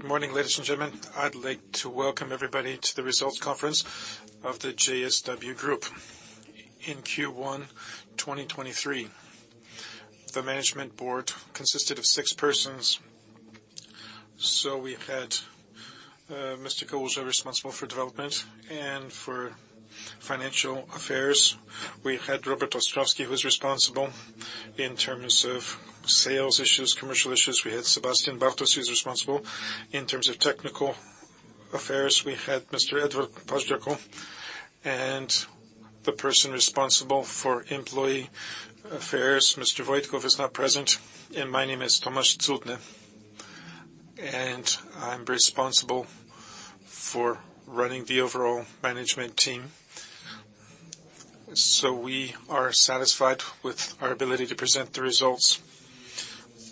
Good morning, ladies and gentlemen. I'd like to welcome everybody to the results conference of the JSW Group in Q1 2023. The management board consisted of six persons. We had Mr. Kowalza responsible for development and for financial affairs. We had Robert Ostrowski, who is responsible in terms of sales issues, commercial issues. We had Sebastian Bartos, who's responsible in terms of technical affairs. We had Mr. Edward Paździorko, and the person responsible for employee affairs, Mr. Wojtków, is not present. My name is Tomasz Cudny, and I'm responsible for running the overall management team. We are satisfied with our ability to present the results,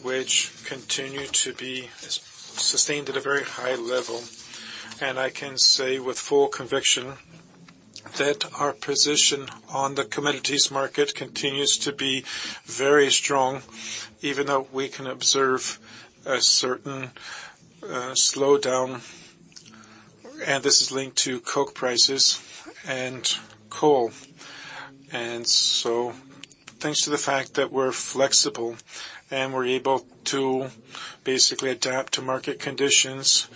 which continue to be sustained at a very high level. I can say with full conviction that our position on the commodities market continues to be very strong, even though we can observe a certain slowdown, and this is linked to coke prices and coal. Thanks to the fact that we're flexible and we're able to basically adapt to market conditions,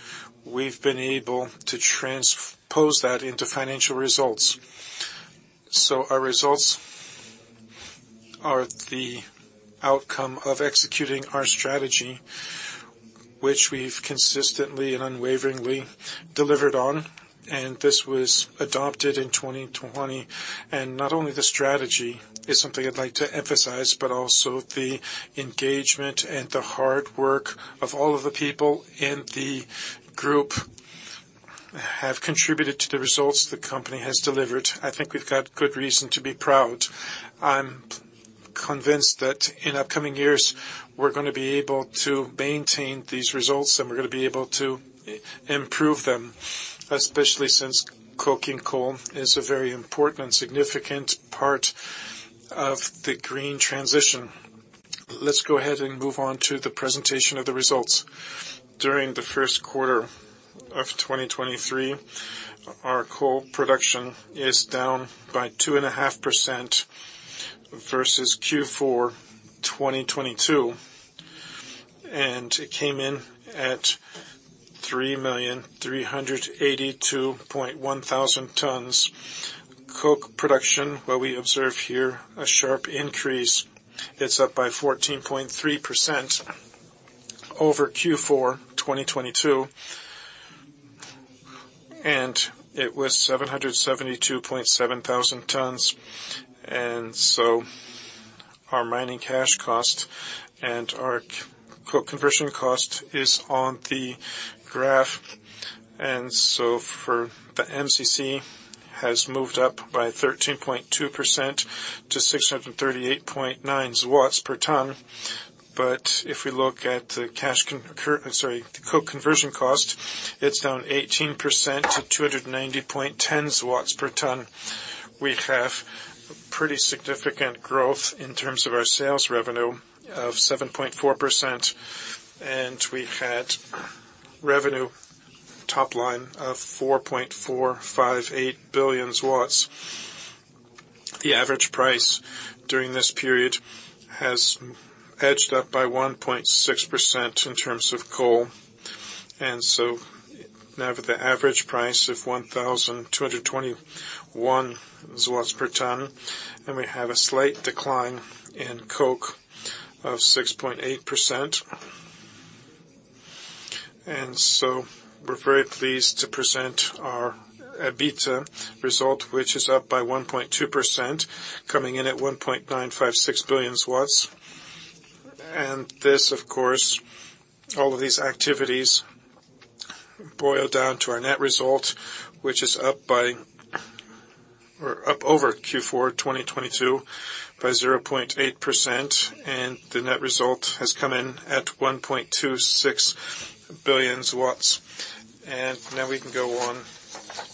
we've been able to transpose that into financial results. Our results are the outcome of executing our strategy, which we've consistently and unwaveringly delivered on, and this was adopted in 2020. Not only the strategy is something I'd like to emphasize, but also the engagement and the hard work of all of the people in the group have contributed to the results the company has delivered. I think we've got good reason to be proud. I'm convinced that in upcoming years, we're gonna be able to maintain these results and we're gonna be able to improve them, especially since coking coal is a very important and significant part of the green transition. Let's go ahead and move on to the presentation of the results. During the first quarter of 2023, our coal production is down by 2.5% versus Q4 2022, and it came in at 3,382.1 thousand tons. Coke production, where we observe here a sharp increase, it's up by 14.3% over Q4 2022. It was 772.7 thousand tons. Our mining cash cost and our coke conversion cost is on the graph. For the MCC has moved up by 13.2% to 638.9 per ton. If we look at the cash sorry, the coke conversion cost, it's down 18% to 290.10 per ton. We have pretty significant growth in terms of our sales revenue of 7.4%, we had revenue top line of 4.458 billion. The average price during this period has edged up by 1.6% in terms of coal. Now with the average price of 1,221 zlotys per ton, we have a slight decline in coke of 6.8%. We're very pleased to present our EBITDA result, which is up by 1.2%, coming in at 1.956 billion. This, of course, all of these activities boil down to our net result, which is up by or up over Q4 2022 by 0.8%, and the net result has come in at 1.26 billion. Now we can go on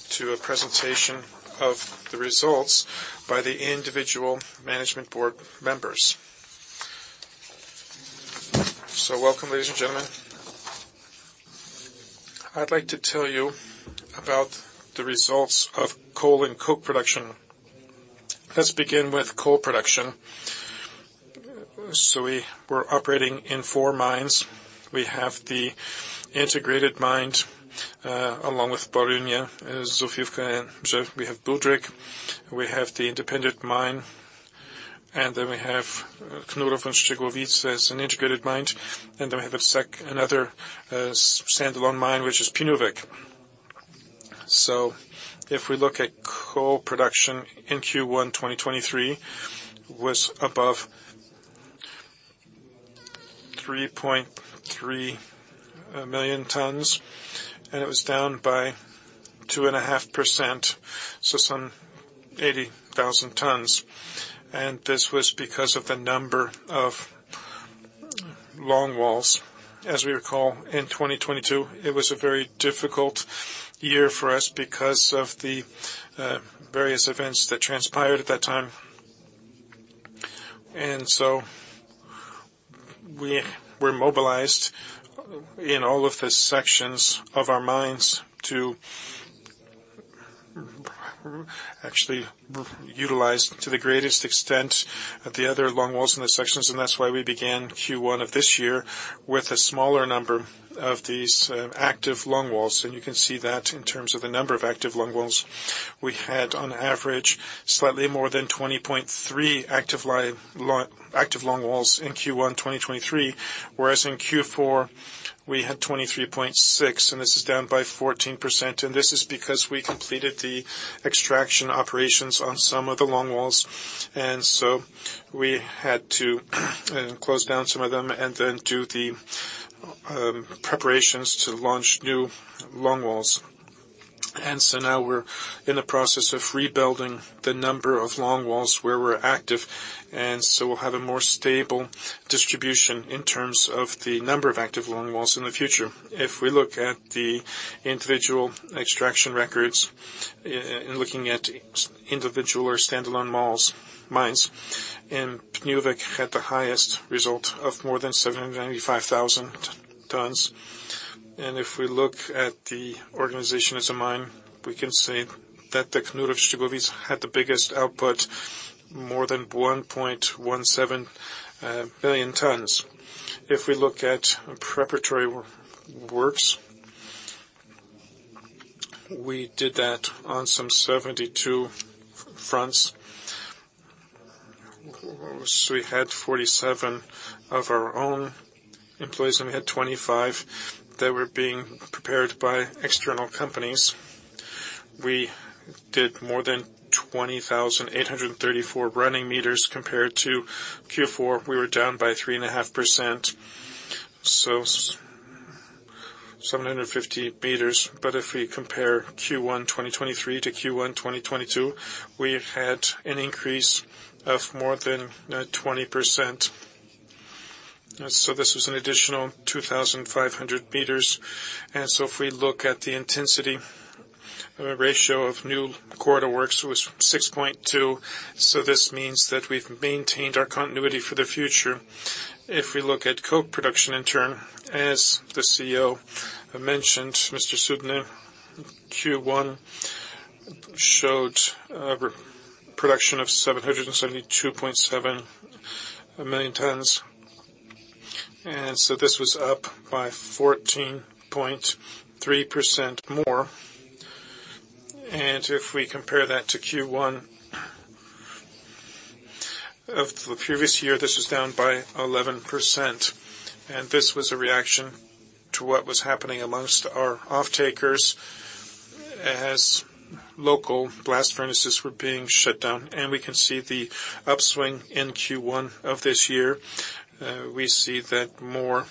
to a presentation of the results by the individual Management Board members. Welcome, ladies and gentlemen. I'd like to tell you about the results of coal and coke production. Let's begin with coal production. We were operating in four mines. We have the integrated mine, along with Borynia, Zofiówka, and Ruch Jastrzębie. We have Budryk, we have the independent mine, then we have Knurów and Szczygłowice as an integrated mine, then we have another standalone mine, which is Pniówek. If we look at coal production in Q1 2023 was above 3.3 million tons, it was down by 2.5%, so some 80,000 tons. This was because of the number of longwalls. As we recall, in 2022, it was a very difficult year for us because of the various events that transpired at that time. We're mobilized in all of the sections of our mines to actually utilize to the greatest extent at the other longwalls in the sections, that's why we began Q1 of this year with a smaller number of these active longwalls. You can see that in terms of the number of active longwalls we had on average, slightly more than 20.3 active longwalls in Q1 2023, whereas in Q4 we had 23.6 and this is down by 14%. This is because we completed the extraction operations on some of the longwalls, we had to close down some of them and then do the preparations to launch new longwalls. Now we're in the process of rebuilding the number of longwalls where we're active, so we'll have a more stable distribution in terms of the number of active longwalls in the future. If we look at the individual extraction records in looking at individual or standalone malls, mines, Pniówek had the highest result of more than 795,000 tons. If we look at the organization as a mine, we can say that the Knurów-Szczygłowice had the biggest output, more than 1.17 billion tons. If we look at preparatory works, we did that on some 72 fronts. We had 47 of our own employees, and we had 25 that were being prepared by external companies. We did more than 20,834 running meters compared to Q4 we were down by 3.5%, so 750 meters. If we compare Q1 2023 to Q1 2022, we had an increase of more than 20%. This was an additional 2,500 meters. If we look at the intensity ratio of new quarter works was 6.2, this means that we've maintained our continuity for the future. If we look at coke production in turn, as the CEO mentioned, Mr. Cudny, Q1 showed a production of 772.7 million tons. This was up by 14.3% more. If we compare that to Q1 of the previous year, this was down by 11%. This was a reaction to what was happening amongst our offtakers as local blast furnaces were being shut down. We see that more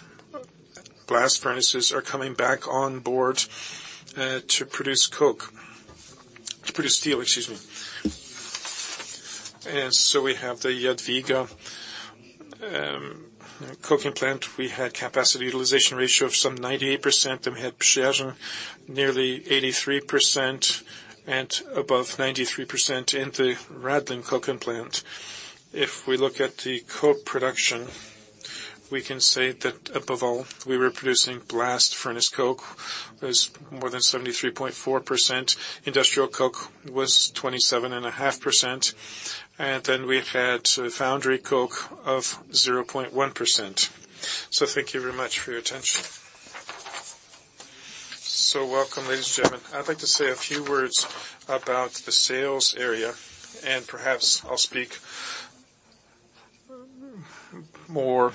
blast furnaces are coming back on board to produce coke. To produce steel, excuse me. We have the Jadwiga coking plant. We had capacity utilization ratio of some 98%, and we had Przyjaźń nearly 83% and above 93% in the Radlin coking plant. If we look at the coke production, we can say that above all, we were producing blast furnace coke. There's more than 73.4%. Industrial coke was 27.5%, we had foundry coke of 0.1%. Thank you very much for your attention. Welcome, ladies and gentlemen. I'd like to say a few words about the sales area, and perhaps I'll speak more,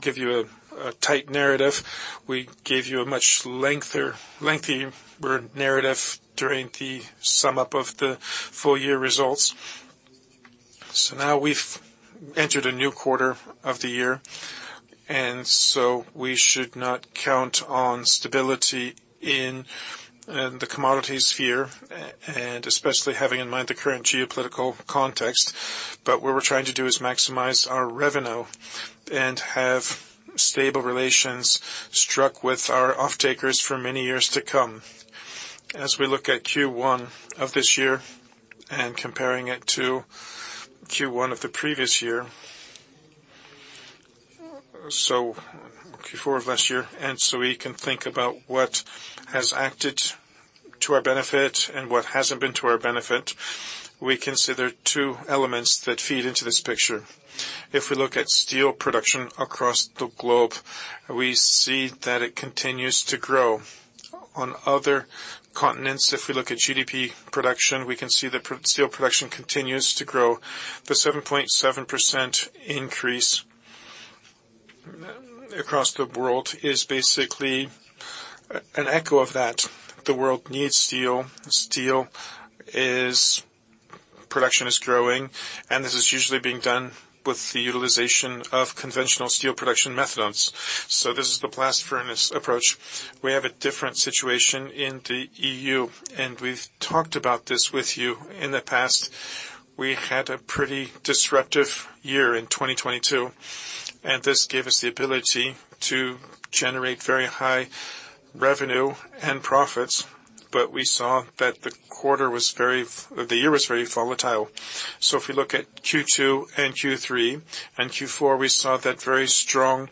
give you a tight narrative. We gave you a much lengthier narrative during the sum up of the full year results. Now we've entered a new quarter of the year, we should not count on stability in the commodities sphere, and especially having in mind the current geopolitical context. What we're trying to do is maximize our revenue and have stable relations struck with our offtakers for many years to come. As we look at Q1 of this year and comparing it to Q1 of the previous year, so Q4 of last year, and so we can think about what has acted to our benefit and what hasn't been to our benefit, we consider two elements that feed into this picture. If we look at steel production across the globe, we see that it continues to grow. On other continents, if we look at GDP production, we can see that steel production continues to grow. The 7.7% increase across the world is basically an echo of that. The world needs steel. Steel production is growing, and this is usually being done with the utilization of conventional steel production methods. This is the blast furnace approach. We have a different situation in the EU, and we've talked about this with you in the past. We had a pretty disruptive year in 2022, and this gave us the ability to generate very high revenue and profits. We saw that the year was very volatile. If we look at Q2, Q3, and Q4, we saw that very strong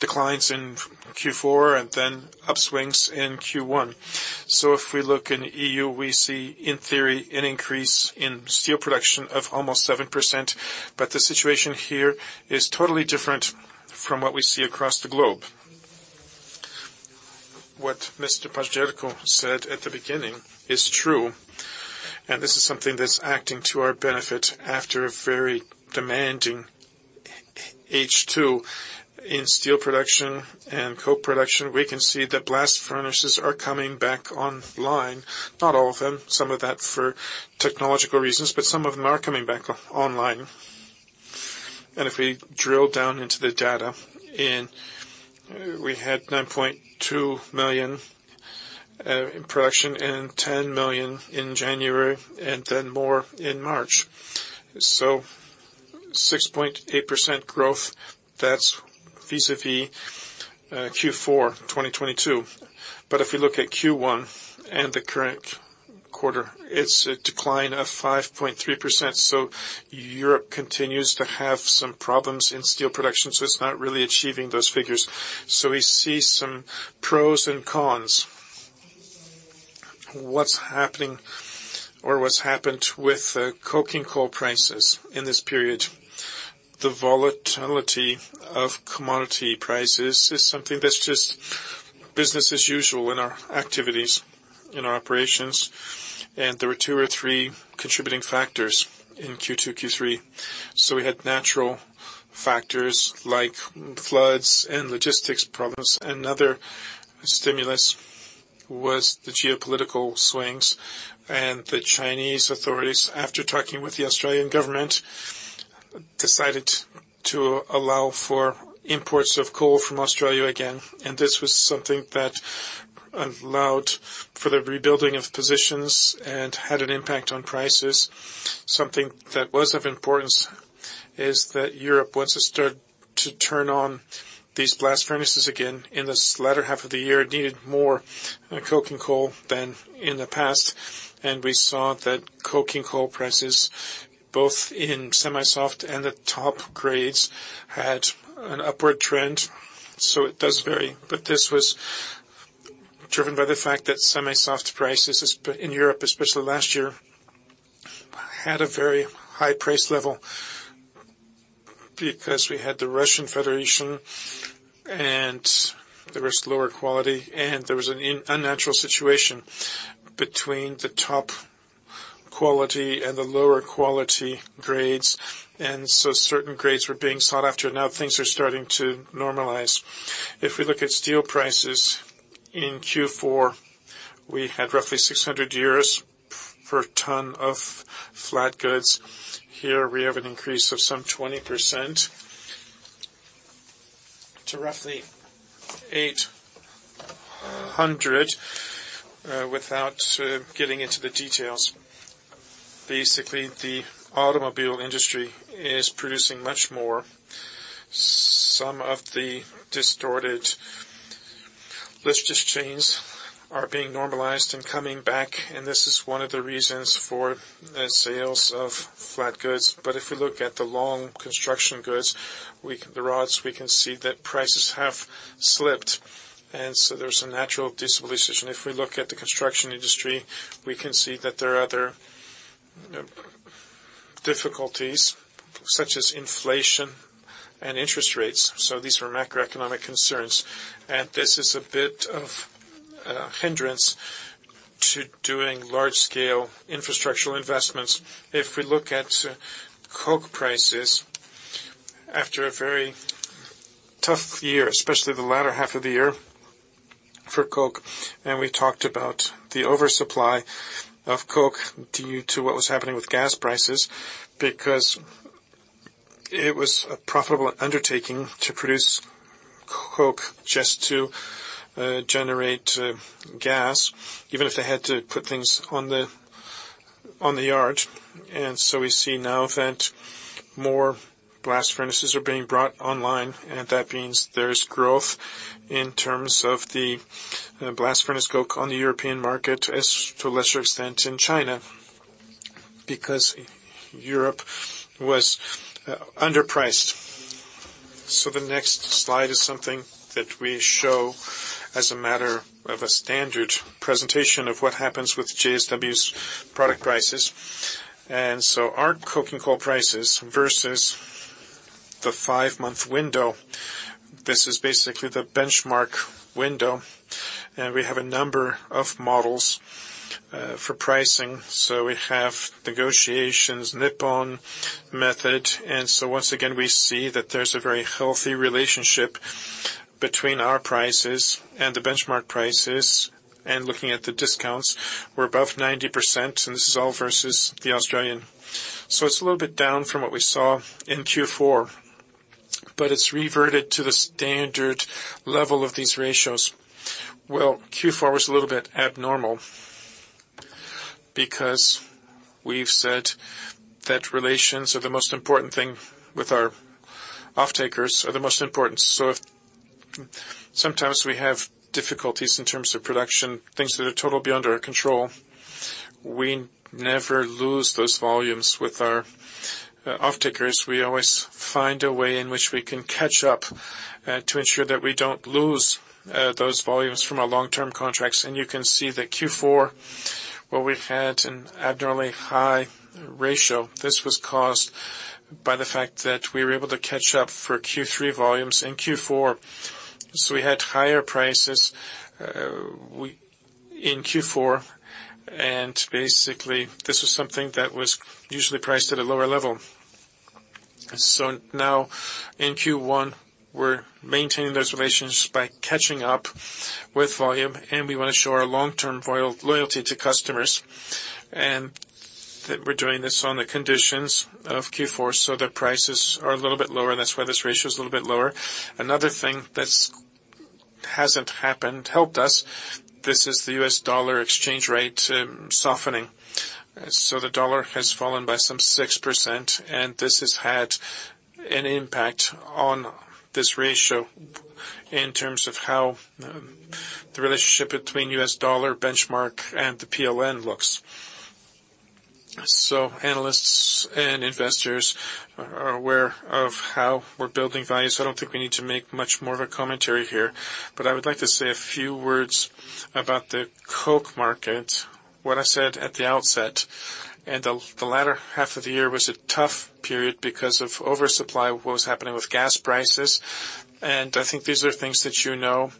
declines in Q4 and then upswings in Q1. If we look in EU, we see in theory an increase in steel production of almost 7%, but the situation here is totally different from what we see across the globe. What Mr. Paździorko said at the beginning is true, and this is something that's acting to our benefit after a very demanding H2 in steel production and co-production. We can see that blast furnaces are coming back online. Not all of them, some of that for technological reasons, but some of them are coming back online. If we drill down into the data. We had 9.2 million in production and 10 million in January, and then more in March. 6.8% growth, that's vis-à-vis Q4 2022. If you look at Q1 and the current quarter, it's a decline of 5.3%. Europe continues to have some problems in steel production, so it's not really achieving those figures. We see some pros and cons. What's happening or what's happened with coking coal prices in this period. The volatility of commodity prices is something that's just business as usual in our activities, in our operations. There were 2 or 3 contributing factors in Q2, Q3. We had natural factors like floods and logistics problems, and other stimulus was the geopolitical swings. The Chinese authorities, after talking with the Australian government, decided to allow for imports of coal from Australia again. This was something that allowed for the rebuilding of positions and had an impact on prices. Something that was of importance is that Europe, once it started to turn on these blast furnaces again in this latter half of the year, needed more coking coal than in the past. We saw that coking coal prices, both in semi-soft and the top grades, had an upward trend, so it does vary. This was driven by the fact that semi-soft prices in Europe, especially last year, had a very high price level because we had the Russian Federation, and there was lower quality, and there was an unnatural situation between the top quality and the lower quality grades. Certain grades were being sought after. Now things are starting to normalize. If we look at steel prices in Q4, we had roughly 600 euros per ton of flat goods. Here we have an increase of some 20% to roughly 800, without getting into the details. Basically, the automobile industry is producing much more. Some of the distorted logistics chains are being normalized and coming back, and this is one of the reasons for the sales of flat goods. We look at the long construction goods, the rods, we can see that prices have slipped. There's a natural decision. If we look at the construction industry, we can see that there are other difficulties, such as inflation and interest rates. These are macroeconomic concerns. This is a bit of a hindrance to doing large-scale infrastructural investments. If we look at coke prices after a very tough year, especially the latter half of the year for coke, and we talked about the oversupply of coke due to what was happening with gas prices, because it was a profitable undertaking to produce coke just to generate gas, even if they had to put things on the, on the yard. We see now that more blast furnaces are being brought online, and that means there's growth in terms of the blast furnace coke on the European market as to a lesser extent in China, because Europe was underpriced. The next slide is something that we show as a matter of a standard presentation of what happens with JSW's product prices. Our coking coal prices versus the 5-month window. This is basically the benchmark window. We have a number of models for pricing. We have negotiations, Nippon method. Once again, we see that there's a very healthy relationship between our prices and the benchmark prices. Looking at the discounts, we're above 90%, and this is all versus the Australian. It's a little bit down from what we saw in Q4, but it's reverted to the standard level of these ratios. Q4 was a little bit abnormal. Because we've said that relations are the most important thing with our off-takers, are the most important. If sometimes we have difficulties in terms of production, things that are totally under our control, we never lose those volumes with our off-takers. We always find a way in which we can catch up to ensure that we don't lose those volumes from our long-term contracts. You can see that Q4, where we had an abnormally high ratio, this was caused by the fact that we were able to catch up for Q3 volumes in Q4. We had higher prices, we in Q4, and basically, this was something that was usually priced at a lower level. Now in Q1, we're maintaining those relations by catching up with volume, and we want to show our long-term loyalty to customers, and that we're doing this on the conditions of Q4, so the prices are a little bit lower. That's why this ratio is a little bit lower. Another thing that helped us, this is the US dollar exchange rate softening. The dollar has fallen by some 6%, and this has had an impact on this ratio in terms of how the relationship between US dollar benchmark and the PLN looks. Analysts and investors are aware of how we're building value, so I don't think we need to make much more of a commentary here. I would like to say a few words about the coke market. What I said at the outset, and the latter half of the year was a tough period because of oversupply, what was happening with gas prices. I think these are things that you know.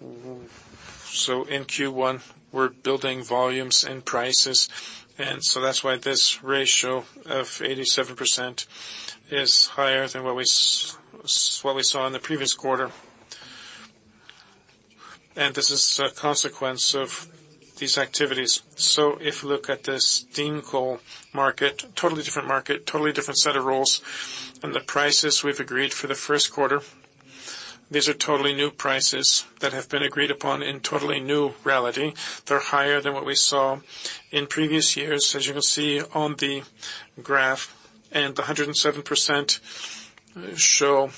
In Q1, we're building volumes and prices, that's why this ratio of 87% is higher than what we saw in the previous quarter. This is a consequence of these activities. If you look at the Steam coal market, totally different market, totally different set of rules. The prices we've agreed for the 1st quarter, these are totally new prices that have been agreed upon in totally new reality. They're higher than what we saw in previous years, as you can see on the graph. The 107% show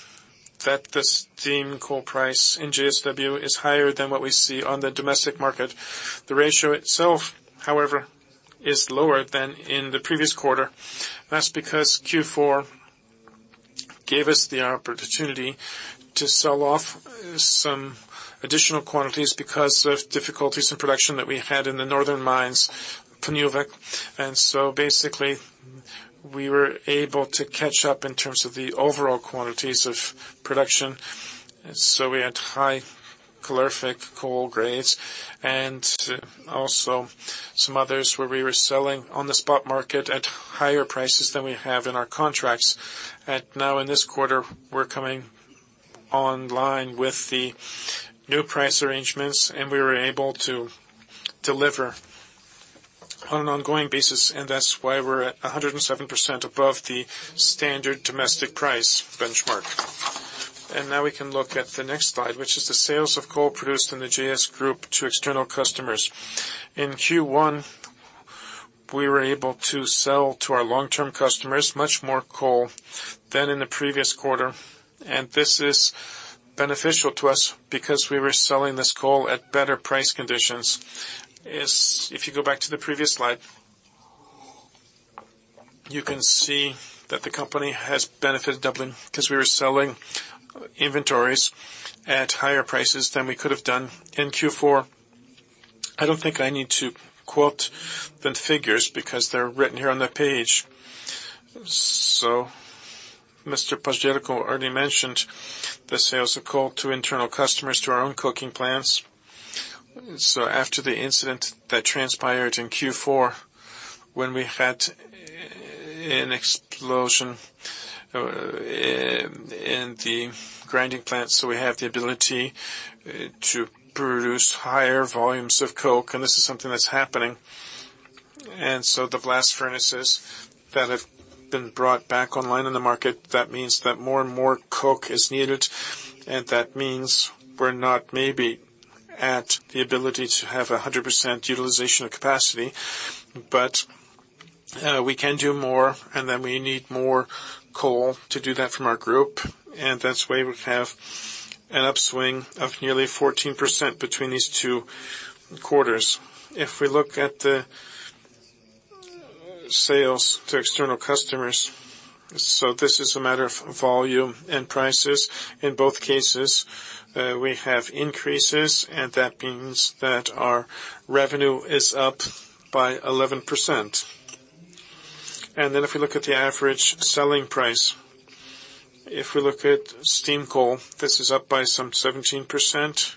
that the steam coal price in JSW is higher than what we see on the domestic market. The ratio itself, however, is lower than in the previous quarter. That's because Q4 gave us the opportunity to sell off some additional quantities because of difficulties in production that we had in the northern mines, Pniówek. Basically, we were able to catch up in terms of the overall quantities of production. We had high calorific coal grades and also some others where we were selling on the spot market at higher prices than we have in our contracts. Now in this quarter, we're coming online with the new price arrangements, and we were able to deliver on an ongoing basis, and that's why we're at a 107% above the standard domestic price benchmark. Now we can look at the next slide, which is the sales of coal produced in the JSW Group to external customers. In Q1, we were able to sell to our long-term customers much more coal than in the previous quarter. This is beneficial to us because we were selling this coal at better price conditions. If you go back to the previous slide, you can see that the company has benefited doubly 'cause we were selling inventories at higher prices than we could have done in Q4. I don't think I need to quote the figures because they're written here on the page. Mr. Paździorko already mentioned the sales of coal to internal customers, to our own coking plants. After the incident that transpired in Q4, when we had an explosion in the grinding plants, we have the ability to produce higher volumes of coke, and this is something that's happening. The blast furnaces that have been brought back online in the market, that means that more and more coke is needed. That means we're not maybe at the ability to have 100% utilization of capacity, but we can do more, and then we need more coal to do that from our group. That's why we have an upswing of nearly 14% between these two quarters. If we look at the sales to external customers, this is a matter of volume and prices. In both cases, we have increases. That means that our revenue is up by 11%. If we look at the average selling price, if we look at steam coal, this is up by some 17%.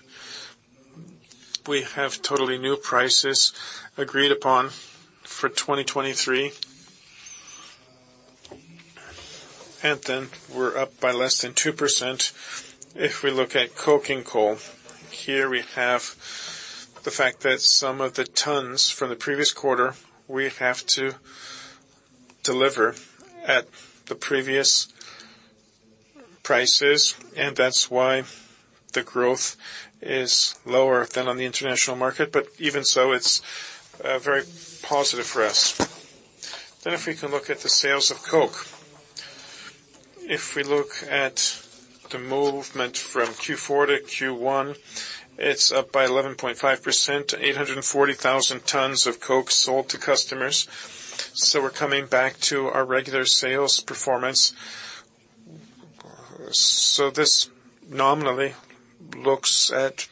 We have totally new prices agreed upon for 2023. We're up by less than 2% if we look at coking coal. Here we have the fact that some of the tons from the previous quarter we have to deliver at the previous prices, and that's why the growth is lower than on the international market, but even so, it's very positive for us. If we can look at the sales of coke. If we look at the movement from Q4 to Q1, it's up by 11.5%, 840,000 tons of coke sold to customers. We're coming back to our regular sales performance. This nominally looks at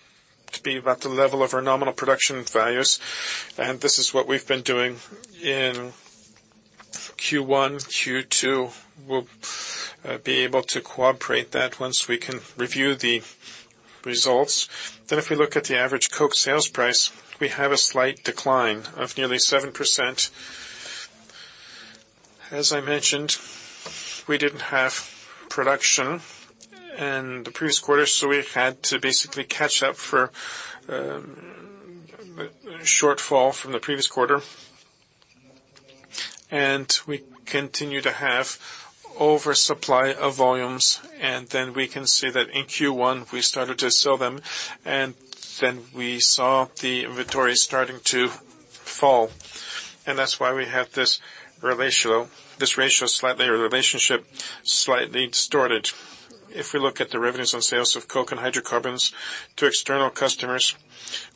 to be about the level of our nominal production values. This is what we've been doing in Q1, Q2. We'll be able to cooperate that once we can review the results. If we look at the average coke sales price, we have a slight decline of nearly 7%. As I mentioned, we didn't have production in the previous quarter, we had to basically catch up for shortfall from the previous quarter. We continue to have oversupply of volumes, we can see that in Q1, we started to sell them, we saw the inventory starting to fall. That's why we have this ratio slightly or relationship slightly distorted. If we look at the revenues on sales of coke and hydrocarbons to external customers,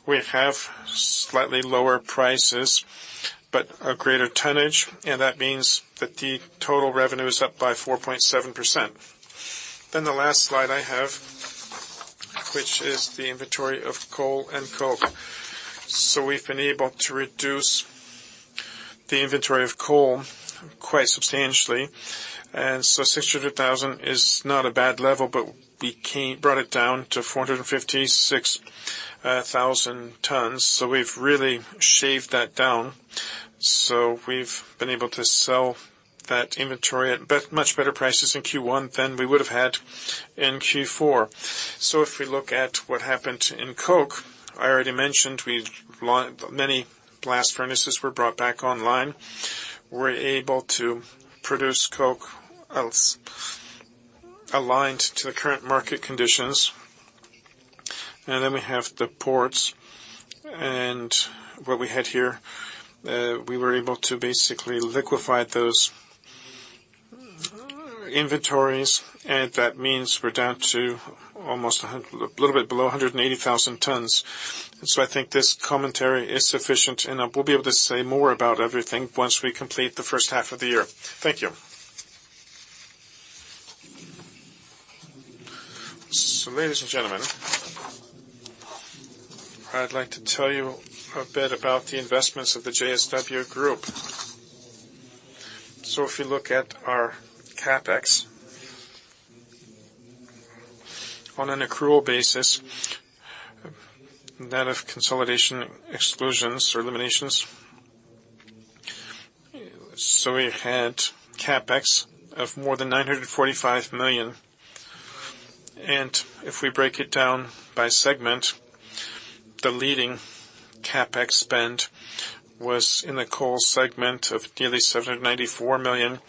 we have slightly lower prices, but a greater tonnage, and that means that the total revenue is up by 4.7%. The last slide I have, which is the inventory of coal and coke. We've been able to reduce the inventory of coal quite substantially. 600,000 is not a bad level, but we brought it down to 456,000 tons. We've really shaved that down. We've been able to sell that inventory at much better prices in Q1 than we would have had in Q4. If we look at what happened in coke, I already mentioned many blast furnaces were brought back online. We're able to produce coke aligned to the current market conditions. We have the ports. What we had here, we were able to basically liquify those inventories. That means we're down to almost a little bit below 180,000 tons. I think this commentary is sufficient, and we'll be able to say more about everything once we complete the first half of the year. Thank you. Ladies and gentlemen, I'd like to tell you a bit about the investments of the JSW Group. If you look at our CapEx on an accrual basis, net of consolidation exclusions or eliminations. We had CapEx of more than 945 million. If we break it down by segment, the leading CapEx spend was in the coal segment of nearly 794 million.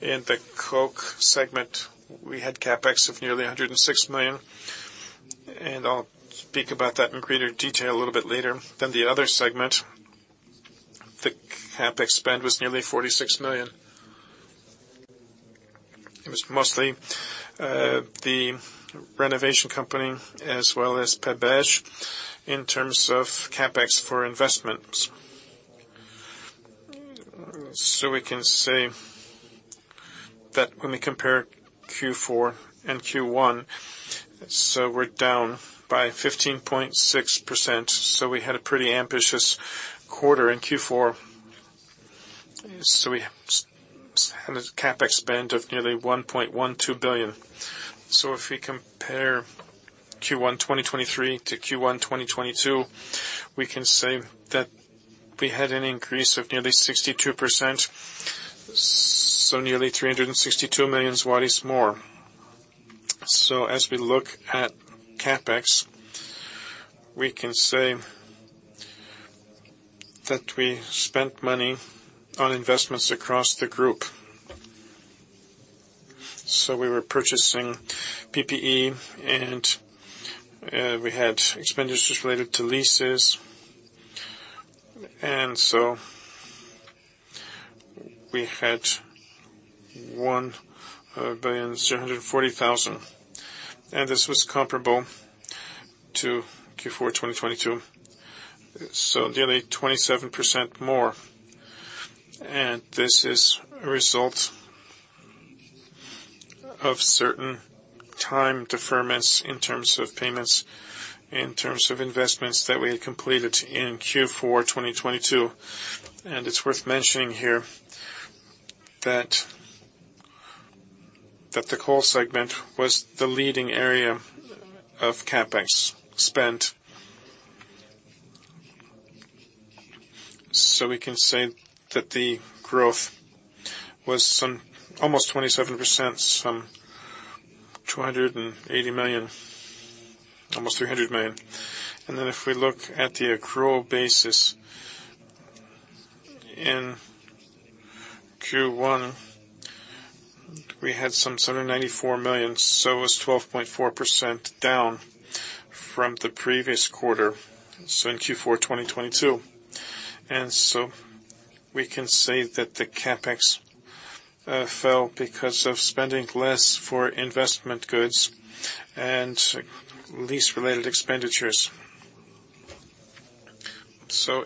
In the coke segment, we had CapEx of nearly 106 million. I'll speak about that in greater detail a little bit later. The other segment, the CapEx spend was nearly 46 million. It was mostly the renovation company as well as PeBeKa S.A. in terms of CapEx for investments. We can say that when we compare Q4 and Q1, we're down by 15.6%. We had a pretty ambitious quarter in Q4. We had a CapEx spend of nearly 1.12 billion. If we compare Q1 2023 to Q1 2022, we can say that we had an increase of nearly 62%. Nearly 362 million is what is more. As we look at CapEx, we can say that we spent money on investments across the group. We were purchasing PPE, and we had expenditures related to leases. We had PLN 1 billion 740 thousand. This was comparable to Q4 2022, so nearly 27% more. This is a result of certain time deferments in terms of payments, in terms of investments that we had completed in Q4 2022. It's worth mentioning here that the coal segment was the leading area of CapEx spend. We can say that the growth was some almost 27%, some 280 million, almost 300 million. If we look at the accrual basis. In Q1, we had some 794 million, so it was 12.4% down from the previous quarter, so in Q4, 2022. We can say that the CapEx fell because of spending less for investment goods and lease-related expenditures.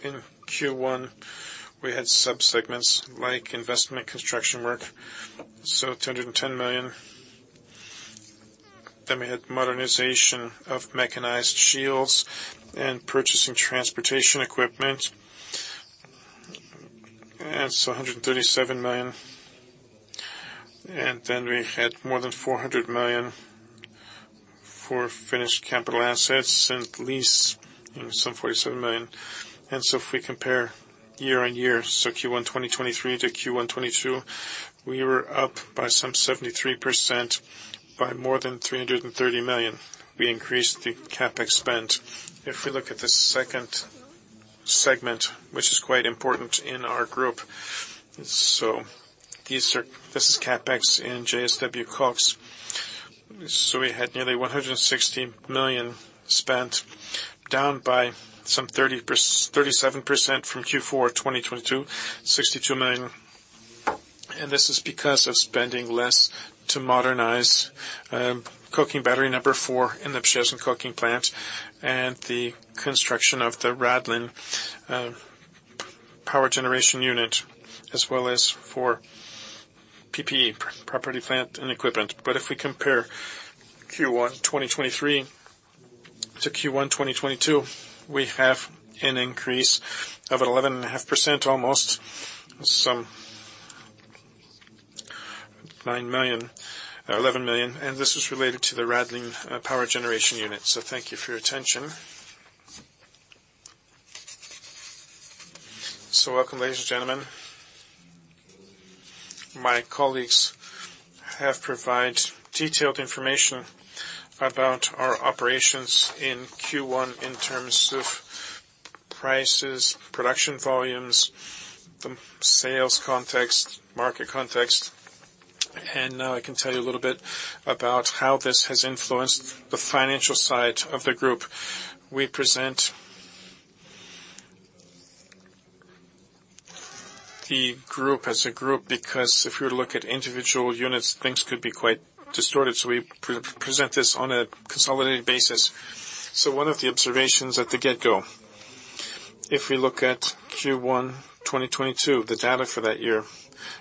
In Q1, we had sub-segments like investment construction work, 210 million. We had modernization of mechanized shields and purchasing transportation equipment. That's 137 million. We had more than 400 million for finished capital assets and lease, some 47 million. If we compare year-over-year, Q1 2023 to Q1 2022, we were up by some 73% by more than 330 million. We increased the CapEx spend. If we look at the second segment, which is quite important in our group. This is CapEx in JSW KOKS. We had nearly 160 million spent, down by some 37% from Q4, 2022, 62 million. This is because of spending less to modernize Coke Oven Battery No. 4 in the Przyjaźń coking plant and the construction of the Radlin power generation unit, as well as for PPE, Property, Plant and Equipment. If we compare Q1, 2023 to Q1, 2022, we have an increase of 11.5% almost, some 9 million, 11 million. This is related to the Radlin power generation unit. Thank you for your attention. Welcome, ladies and gentlemen. My colleagues have provide detailed information about our operations in Q1 in terms of prices, production volumes, sales context, market context. Now I can tell you a little bit about how this has influenced the financial side of the group. We present the group as a group, because if you look at individual units, things could be quite distorted. We present this on a consolidated basis. One of the observations at the get-go, if we look at Q1 2022, the data for that year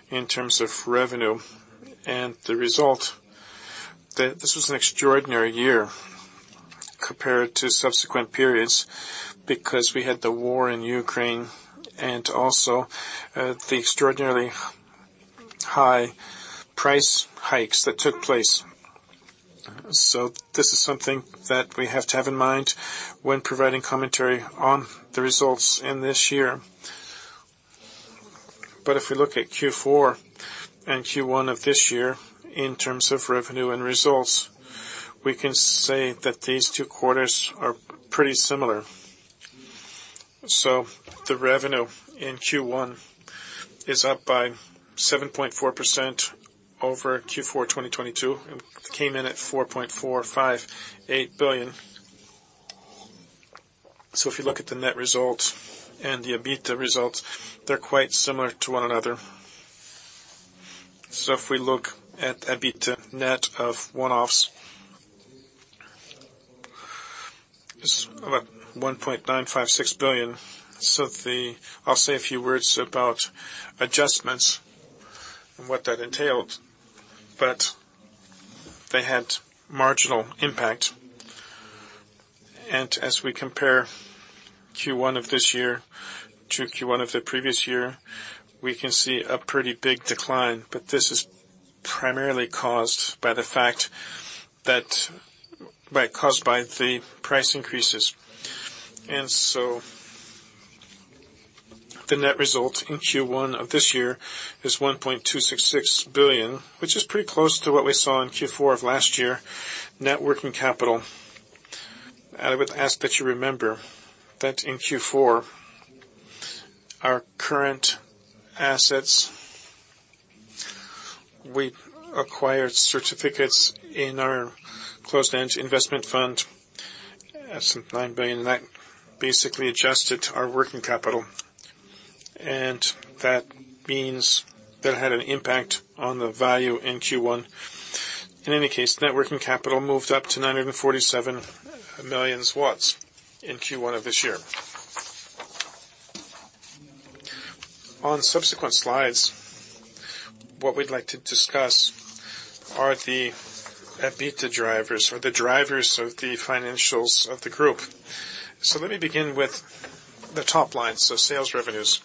in terms of revenue and the result, this was an extraordinary year compared to subsequent periods because we had the war in Ukraine and also the extraordinarily high price hikes that took place. This is something that we have to have in mind when providing commentary on the results in this year. If we look at Q4 and Q1 of this year in terms of revenue and results, we can say that these two quarters are pretty similar. The revenue in Q1 is up by 7.4% over Q4 2022 and came in at 4.458 billion. If you look at the net results and the EBITDA results, they're quite similar to one another. If we look at EBITDA net of one-offs, is about 1.956 billion. I'll say a few words about adjustments and what that entailed, but they had marginal impact. As we compare Q1 of this year to Q1 of the previous year, we can see a pretty big decline. This is primarily caused by the fact that caused by the price increases. The net result in Q1 of this year is 1.266 billion, which is pretty close to what we saw in Q4 of last year. Net working capital. I would ask that you remember that in Q4, our current assets, we acquired certificates in our closed-end investment fund, some 9 billion. That basically adjusted our working capital, and that means that had an impact on the value in Q1. In any case, net working capital moved up to 947 million in Q1 of this year. On subsequent slides, what we'd like to discuss are the EBITDA drivers or the drivers of the financials of the group. Let me begin with the top line, so sales revenues.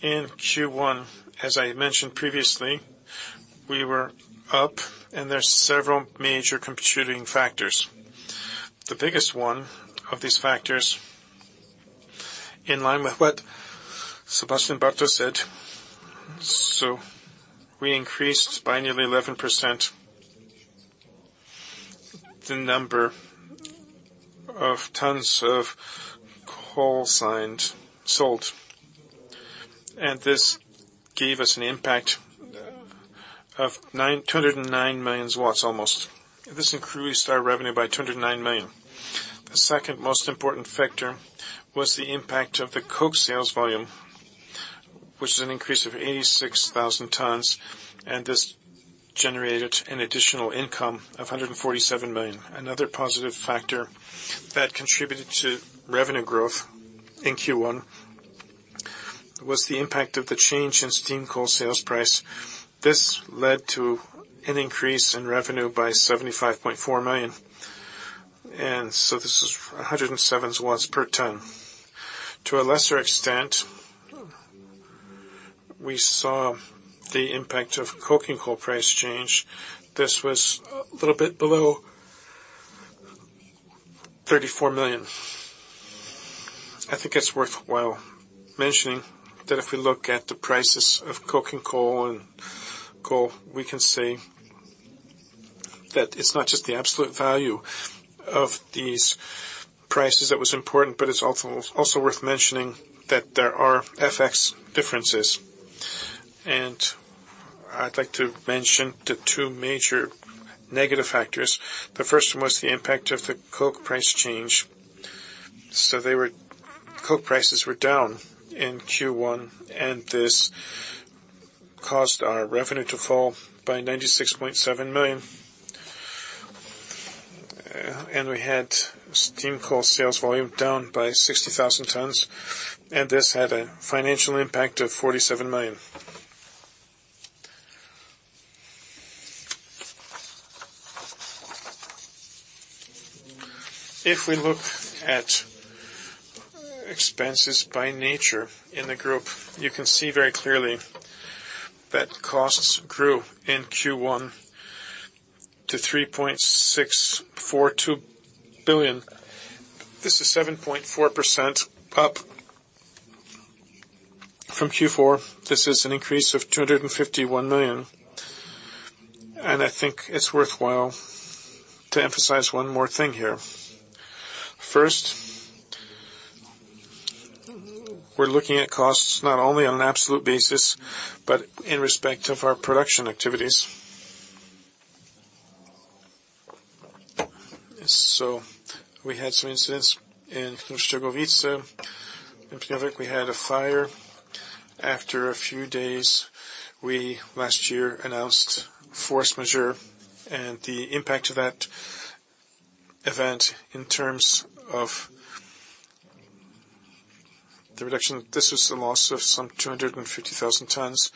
In Q1, as I mentioned previously, we were up and there's several major contributing factors. The biggest one of these factors, in line with what Sebastian Bartos said. We increased by nearly 11% the number of tons of coal signed sold. This gave us an impact of 209 million almost. This increased our revenue by 209 million. The second most important factor was the impact of the coke sales volume, which is an increase of 86,000 tons, and this generated an additional income of 147 million. Another positive factor that contributed to revenue growth in Q1 was the impact of the change in steam coal sales price. This led to an increase in revenue by 75.4 million. This is 107 per ton. To a lesser extent, we saw the impact of coking coal price change. This was a little bit below 34 million. I think it's worthwhile mentioning that if we look at the prices of coking coal and coal, we can say that it's not just the absolute value of these prices that was important, but it's also worth mentioning that there are FX differences. I'd like to mention the two major negative factors. The first one was the impact of the coke price change. Coke prices were down in Q1, and this caused our revenue to fall by 96.7 million. We had steam coal sales volume down by 60,000 tons, and this had a financial impact of 47 million. If we look at expenses by nature in the group, you can see very clearly that costs grew in Q1 to 3.642 billion. This is 7.4% up from Q4. This is an increase of 251 million. I think it's worthwhile to emphasize one more thing here. First, we're looking at costs not only on an absolute basis, but in respect of our production activities. We had some incidents in Głębokie. In Przyjaźń, we had a fire. After a few days, we, last year, announced force majeure and the impact of that event in terms of the reduction. This was the loss of some 250,000 tons,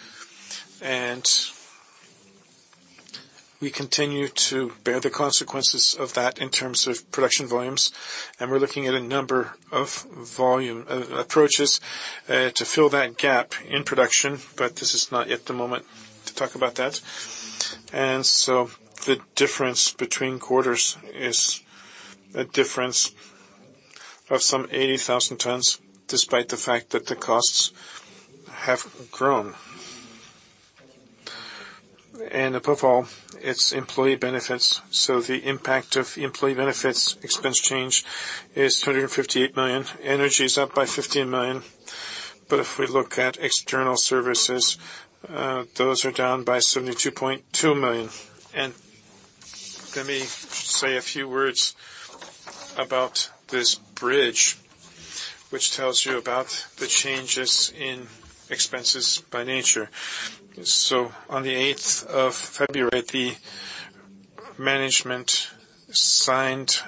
and we continue to bear the consequences of that in terms of production volumes. We're looking at a number of volume approaches to fill that gap in production, but this is not yet the moment to talk about that. The difference between quarters is a difference of some 80,000 tons, despite the fact that the costs have grown. Above all, it's employee benefits. The impact of employee benefits expense change is 258 million. Energy is up by 15 million. If we look at external services, those are down by 72.2 million. Let me say a few words about this bridge, which tells you about the changes in expenses by nature. On the 8th of February, the management signed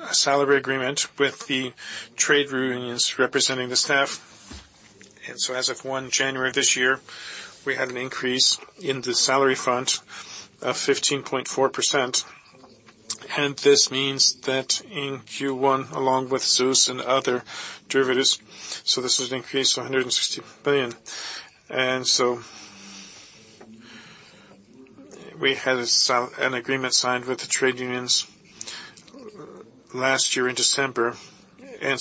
a salary agreement with the trade unions representing the staff. As of 1 January this year, we had an increase in the salary fund of 15.4%. This means that in Q1, along with ZUS and other derivatives, this was an increase of 160 million. We had an agreement signed with the trade unions last year in December,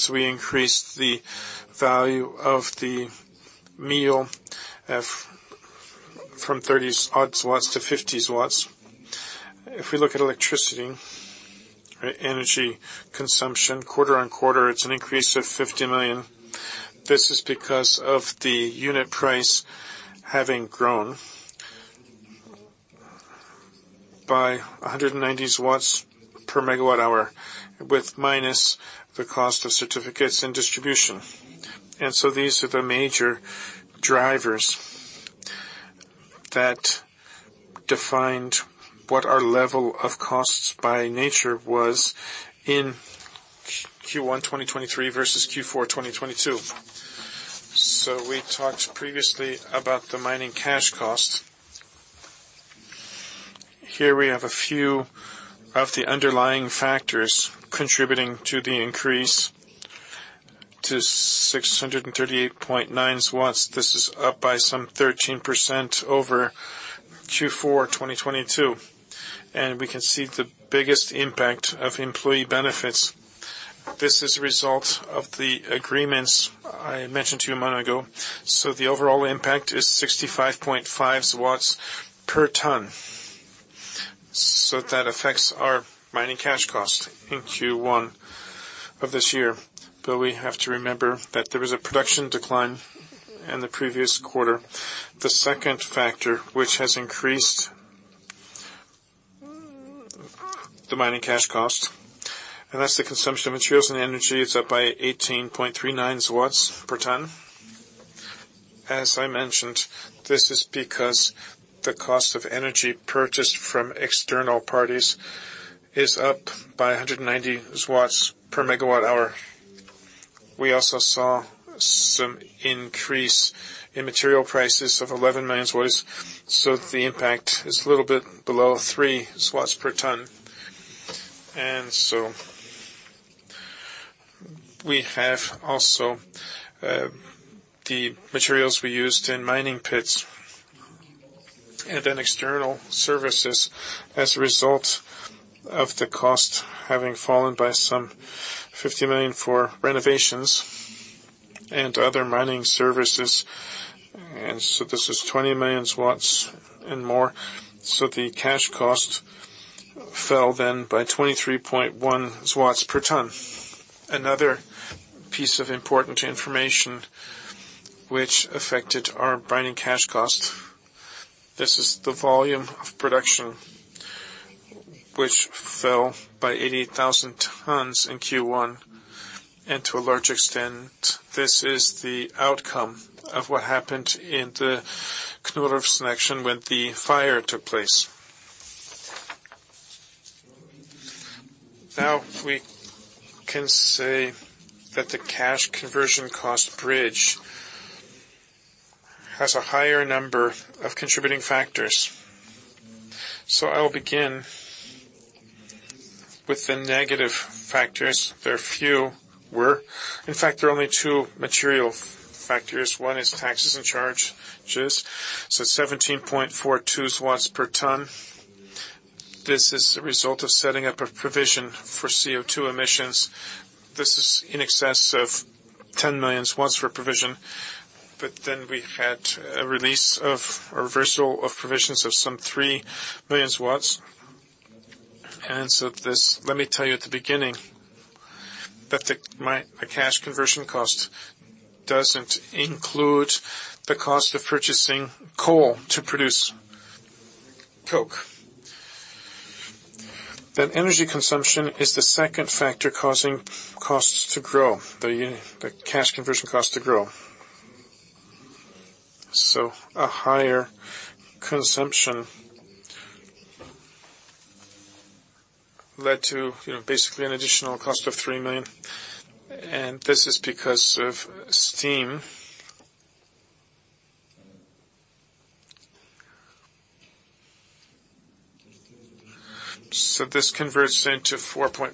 we increased the value of the meal from 30 odd PLN to 50 PLN. If we look at electricity, energy consumption, quarter-on-quarter, it's an increase of 50 million. This is because of the unit price having grown by 190 PLN per MWh, with minus the cost of certificates and distribution. These are the major drivers that defined what our level of costs by nature was in Q1 2023 versus Q4 2022. We talked previously about the mining cash cost. Here we have a few of the underlying factors contributing to the increase to 638.9 PLN. This is up by some 13% over Q4 2022. We can see the biggest impact of employee benefits. This is a result of the agreements I mentioned to you a moment ago. The overall impact is 65.5 per ton. That affects our mining cash cost in Q1 of this year. We have to remember that there was a production decline in the previous quarter. The second factor, which has increased the mining cash cost, and that's the consumption of materials and energy, it's up by 18.39 per ton. As I mentioned, this is because the cost of energy purchased from external parties is up by 190 per MWh. We also saw some increase in material prices of 11 million. The impact is a little bit below 3 per ton. We have also, the materials we used in mining pits and then external services as a result of the cost having fallen by some 50 million for renovations and other mining services. This is 20 million and more. The cash cost fell then by 23.1 per ton. Another piece of important information which affected our mining cash cost, this is the volume of production which fell by 88,000 tons in Q1. To a large extent, this is the outcome of what happened in the Knurów section when the fire took place. Now, we can say that the cash conversion cost bridge has a higher number of contributing factors. I will begin with the negative factors. There are few. In fact, there are only two material factors. One is taxes and charges. 17.42 per ton. This is a result of setting up a provision for CO2 emissions. This is in excess of 10 million for provision, we had a reversal of provisions of some 3 million. Let me tell you at the beginning that the cash conversion cost doesn't include the cost of purchasing coal to produce coke. That energy consumption is the second factor causing costs to grow, the cash conversion cost to grow. A higher consumption led to, you know, basically an additional cost of 3 million, and this is because of steam. This converts into 4.1.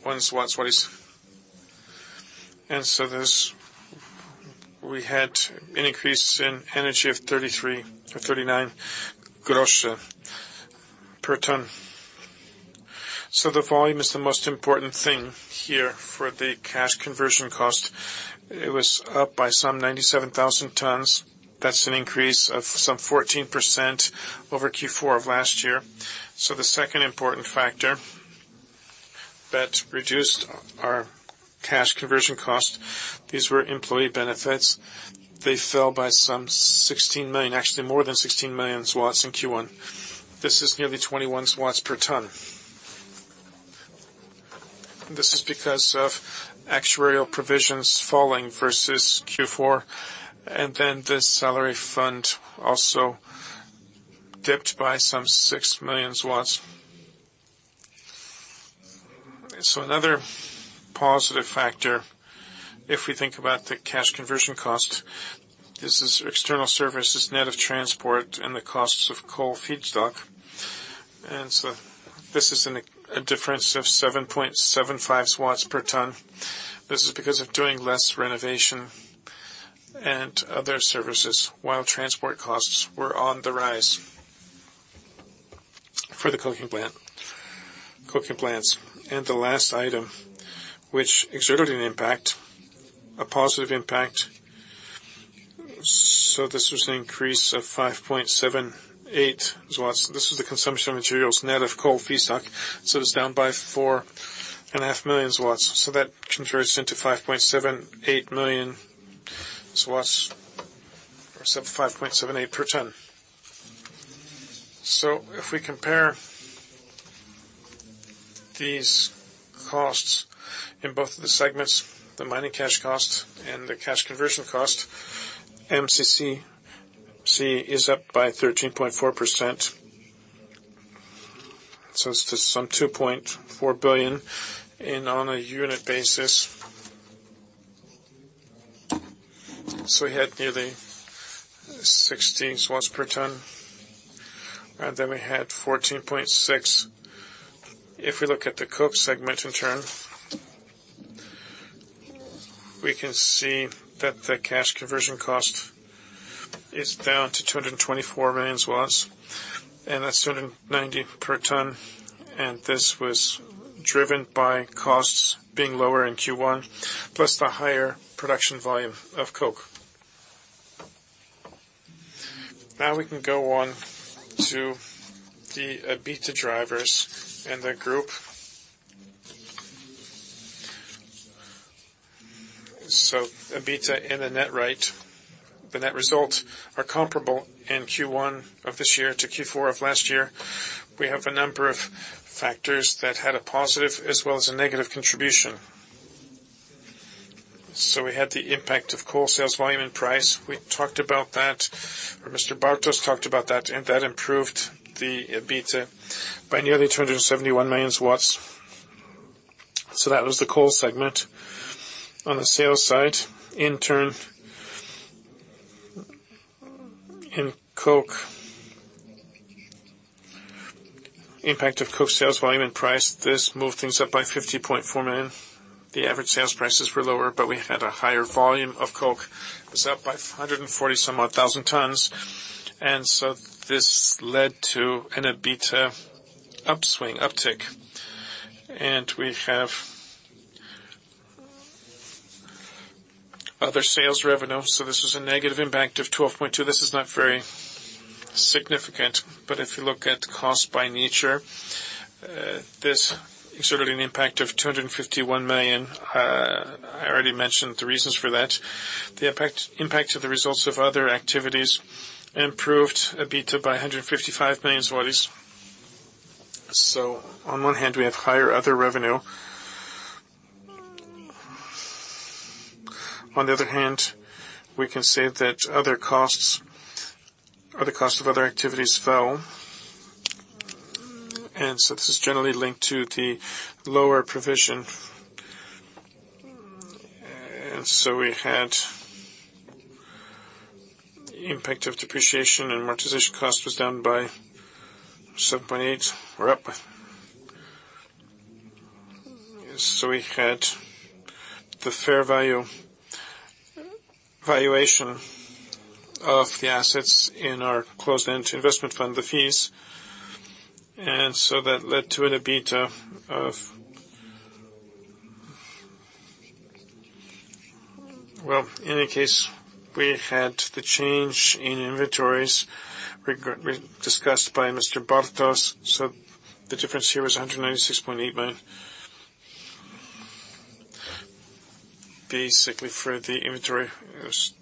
We had an increase in energy of 0.33 or 0.39 per ton. The volume is the most important thing here for the cash conversion cost. It was up by some 97,000 tons. That's an increase of some 14% over Q4 of last year. The second important factor that reduced our cash conversion cost, these were employee benefits. They fell by some 16 million, actually more than 16 million in Q1. This is nearly 21 per ton. This is because of actuarial provisions falling versus Q4. This salary fund also dipped by some 6 million. Another positive factor, if we think about the cash conversion cost, this is external services net of transport and the costs of coal feedstock. This is a difference of 7.75 per ton. This is because of doing less renovation and other services while transport costs were on the rise for the coking plants. The last item which exerted an impact, a positive impact. This was an increase of 5.78. This is the consumption of materials net of coal feedstock, it's down by 4.5 million. That converts into 5.78 million or 5.78 per ton. If we compare these costs in both of the segments, the mining cash cost and the cash conversion cost, MCCC is up by 13.4%. It's to some 2.4 billion and on a unit basis. We had nearly 16 per ton, we had 14.6. If we look at the coke segment in turn, we can see that the cash conversion cost is down to 224 million. That's 290 per ton. This was driven by costs being lower in Q1, plus the higher production volume of coke. We can go on to the EBITDA drivers and the group. EBITDA and the net rate. The net results are comparable in Q1 of this year to Q4 of last year. We have a number of factors that had a positive as well as a negative contribution. We had the impact of coal sales volume and price. We talked about that, or Mr. Bartos talked about that. That improved the EBITDA by nearly 271 million. That was the coal segment. On the sales side, in turn, in coke... Impact of coke sales volume and price, this moved things up by 50.4 million. The average sales prices were lower. We had a higher volume of coke. It's up by 140 somewhat thousand tons. This led to an EBITDA upswing, uptick. We have other sales revenue. This was a negative impact of 12.2. This is not very significant. If you look at cost by nature, this inserted an impact of 251 million. I already mentioned the reasons for that. The impact to the results of other activities improved EBITDA by 155 million zlotys. On one hand we have higher other revenue. On the other hand, we can say that other costs, or the cost of other activities fell. This is generally linked to the lower provision. We had the impact of depreciation and amortization cost was down by 7.8. We're up. We had the fair value valuation of the assets in our closed-end investment fund, the fees. That led to an EBITDA of... Well, in any case, we had the change in inventories re-discussed by Mr. Bartos. The difference here was 196.8 million. For the inventory, it was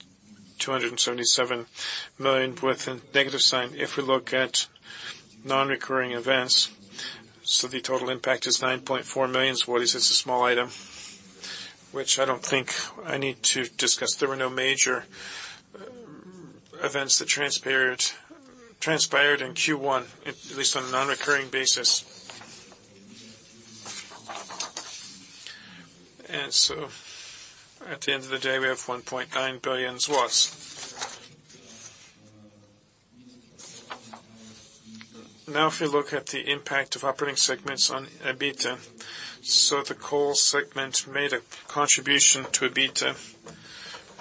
277 million with a negative sign. If we look at non-recurring events, the total impact is 9.4 million zlotys. It's a small item, which I don't think I need to discuss. There were no major events that transpired in Q1, at least on a non-recurring basis. At the end of the day, we have 1.9 billion. If we look at the impact of operating segments on EBITDA, the coal segment made a contribution to EBITDA,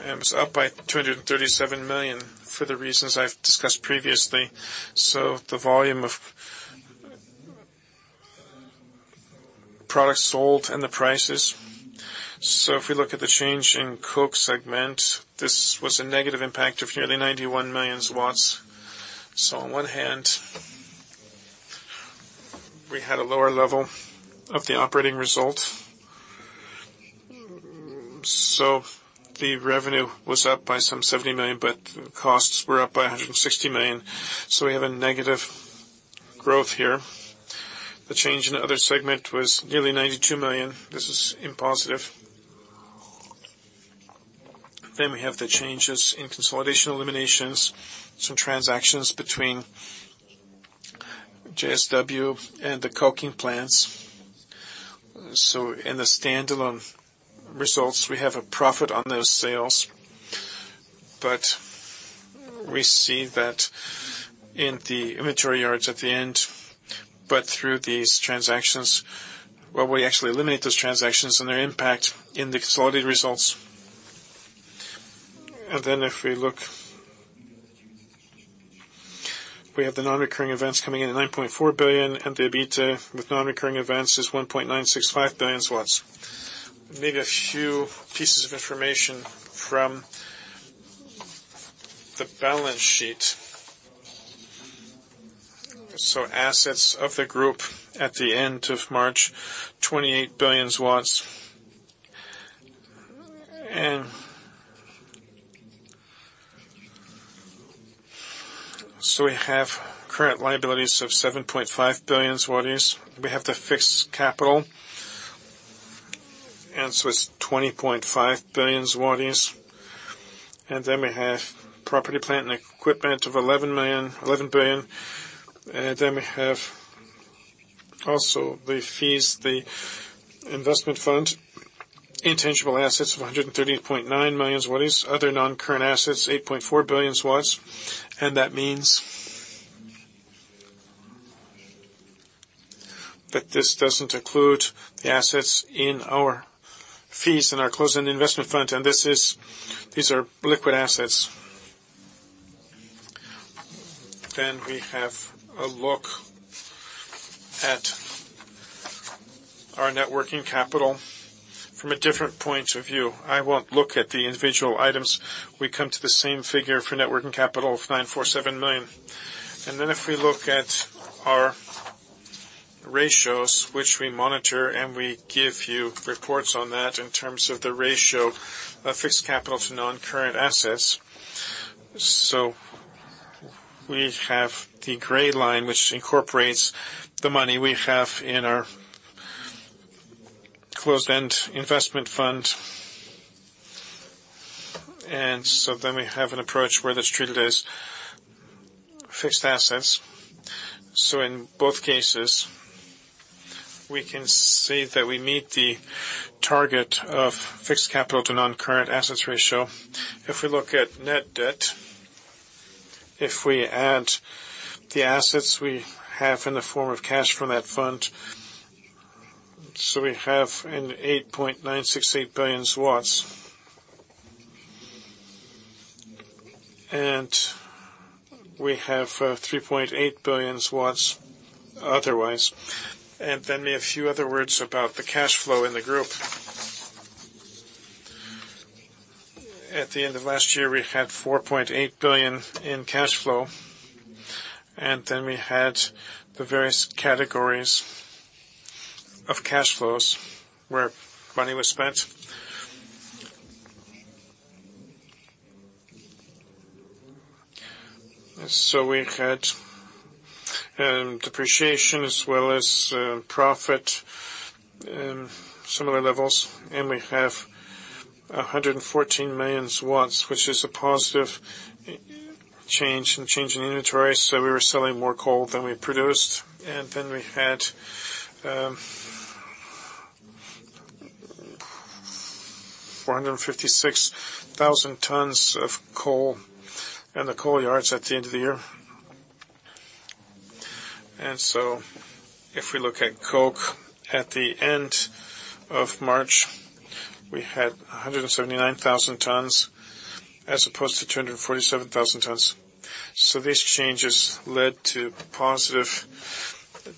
and it was up by 237 million for the reasons I've discussed previously. The volume of products sold and the prices. If we look at the change in coke segment, this was a negative impact of nearly 91 million. On one hand, we had a lower level of the operating result. The revenue was up by some 70 million, but costs were up by 160 million. We have a negative growth here. The change in the other segment was nearly 92 million. This is in positive. We have the changes in consolidation eliminations, some transactions between JSW and the coking plants. In the standalone results, we have a profit on those sales, but we see that in the inventory yards at the end. Through these transactions, well, we actually eliminate those transactions and their impact in the consolidated results. If we look, we have the non-recurring events coming in at 9.4 billion, and the EBITDA with non-recurring events is 1.965 billion. Maybe a few pieces of information from the balance sheet. Assets of the group at the end of March, 28 billion. We have current liabilities of 7.5 billion zlotys. We have the fixed capital, and it's 20.5 billion zlotys. We have Property, Plant and Equipment of 11 billion. We have also the fees, the investment fund, intangible assets of 113.9 million. Other non-current assets, 8.4 billion. That this doesn't include the assets in our fees in our closed-end investment fund, and these are liquid assets. We have a look at our networking capital from a different point of view. I won't look at the individual items. We come to the same figure for networking capital of 947 million. If we look at our ratios, which we monitor, and we give you reports on that in terms of the ratio of fixed capital to non-current assets. We have the gray line, which incorporates the money we have in our closed-end investment fund. We have an approach where that's treated as fixed assets. In both cases, we can see that we meet the target of fixed capital to non-current assets ratio. If we look at net debt, if we add the assets we have in the form of cash from that fund, so we have an 8.968 billion. We have 3.8 billion otherwise. A few other words about the cash flow in the group. At the end of last year, we had 4.8 billion in cash flow, and then we had the various categories of cash flows where money was spent. We had depreciation as well as profit, similar levels, and we have a 114 million, which is a positive change in inventory. We were selling more coal than we produced. We had 45,000 tons of coal in the coal yards at the end of the year. If we look at coke at the end of March, we had 179,000 tons as opposed to 247,000 tons. These changes led to positive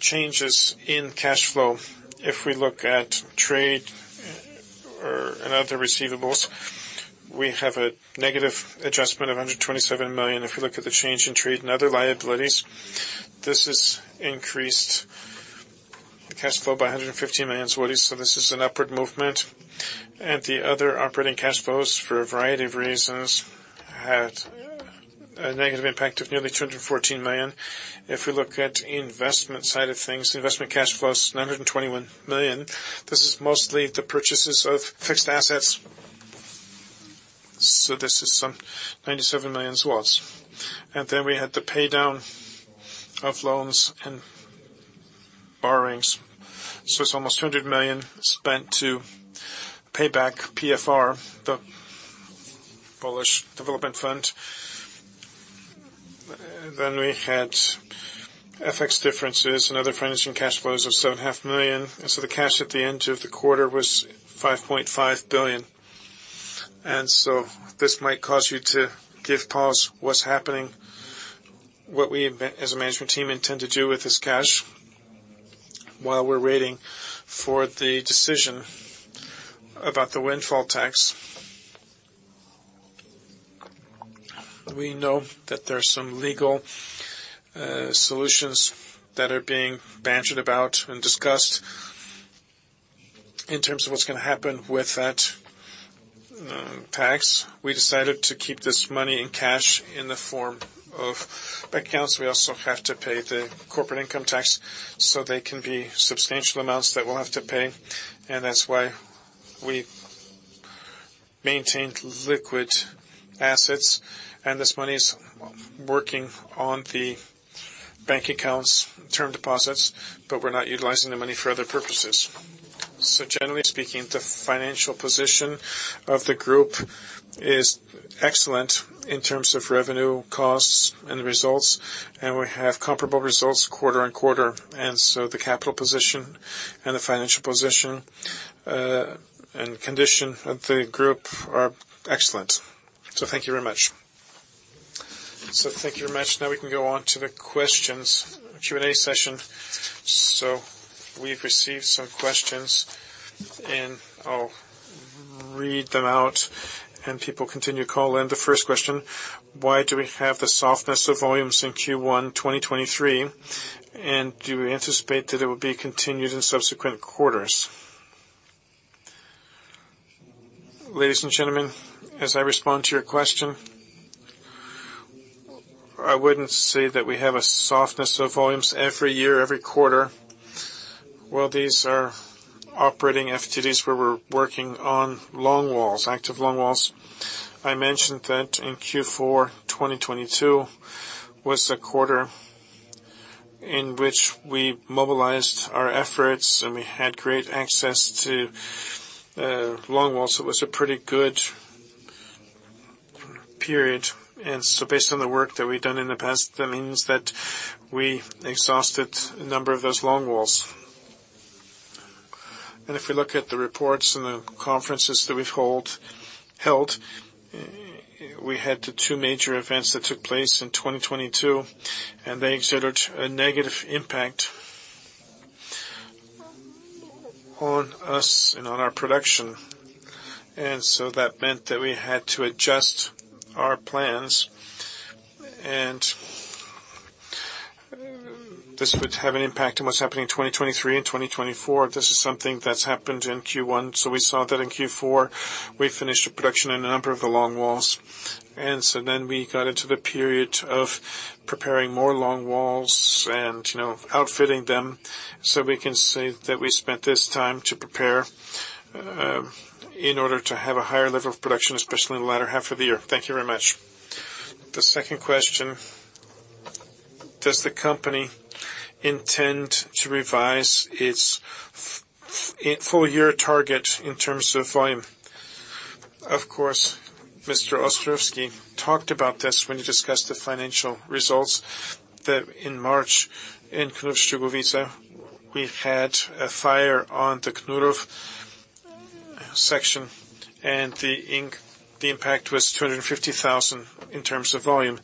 changes in cash flow. If we look at trade and other receivables, we have a negative adjustment of 127 million. If you look at the change in trade and other liabilities, this has increased the cash flow by 150 million. This is an upward movement. The other operating cash flows, for a variety of reasons, had a negative impact of nearly 214 million. If we look at the investment side of things, investment cash flows, 921 million. This is mostly the purchases of fixed assets. This is some 97 million. We had the pay down of loans and borrowings. It's almost 200 million spent to pay back PFR, the Polish Development Fund. We had FX differences and other financial cash flows of seven and a half million. The cash at the end of the quarter was 5.5 billion. This might cause you to give pause what's happening, what we as a management team intend to do with this cash while we're waiting for the decision about the windfall tax. We know that there's some legal solutions that are being bantered about and discussed in terms of what's gonna happen with that tax. We decided to keep this money in cash in the form of bank accounts. We also have to pay the corporate income tax, they can be substantial amounts that we'll have to pay, that's why we maintained liquid assets. This money is working on the bank accounts, term deposits, we're not utilizing the money for other purposes. Generally speaking, the financial position of the group is excellent in terms of revenue, costs and the results, we have comparable results quarter on quarter. The capital position and the financial position, and condition of the group are excellent. Thank you very much. Thank you very much. Now we can go on to the questions, Q&A session. We've received some questions, and I'll read them out and people continue to call in. The first question, why do we have the softness of volumes in Q1, 2023? Do you anticipate that it will be continued in subsequent quarters? Ladies and gentlemen, as I respond to your question, I wouldn't say that we have a softness of volumes every year, every quarter. Well, these are operating FTDs, where we're working on longwalls, active longwalls. I mentioned that in Q4, 2022 was the quarter in which we mobilized our efforts, and we had great access to longwalls. It was a pretty good period. Based on the work that we've done in the past, that means that we exhausted a number of those longwalls. If we look at the reports and the conferences that we've held, we had the 2 major events that took place in 2022, and they exerted a negative impact on us and on our production. That meant that we had to adjust our plans, and this would have an impact on what's happening in 2023 and 2024. This is something that's happened in Q1. We saw that in Q4. We finished a production in a number of the longwalls. Then we got into the period of preparing more longwalls and, you know, outfitting them. We can say that we spent this time to prepare in order to have a higher level of production, especially in the latter half of the year. Thank you very much. The second question: Does the company intend to revise its full year target in terms of volume? Of course, Mr. Ostrowski talked about this when he discussed the financial results, that in March in Knurów-Szczygłowice, we had a fire on the Knurów section, the impact was 250,000 in terms of volume.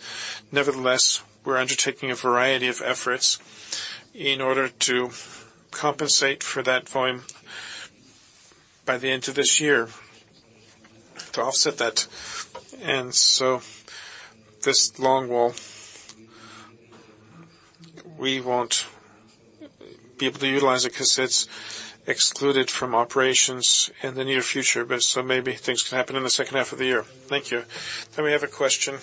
Nevertheless, we're undertaking a variety of efforts in order to compensate for that volume by the end of this year to offset that. This long wall, we won't be able to utilize it because it's excluded from operations in the near future, maybe things can happen in the second half of the year. Thank you. We have a question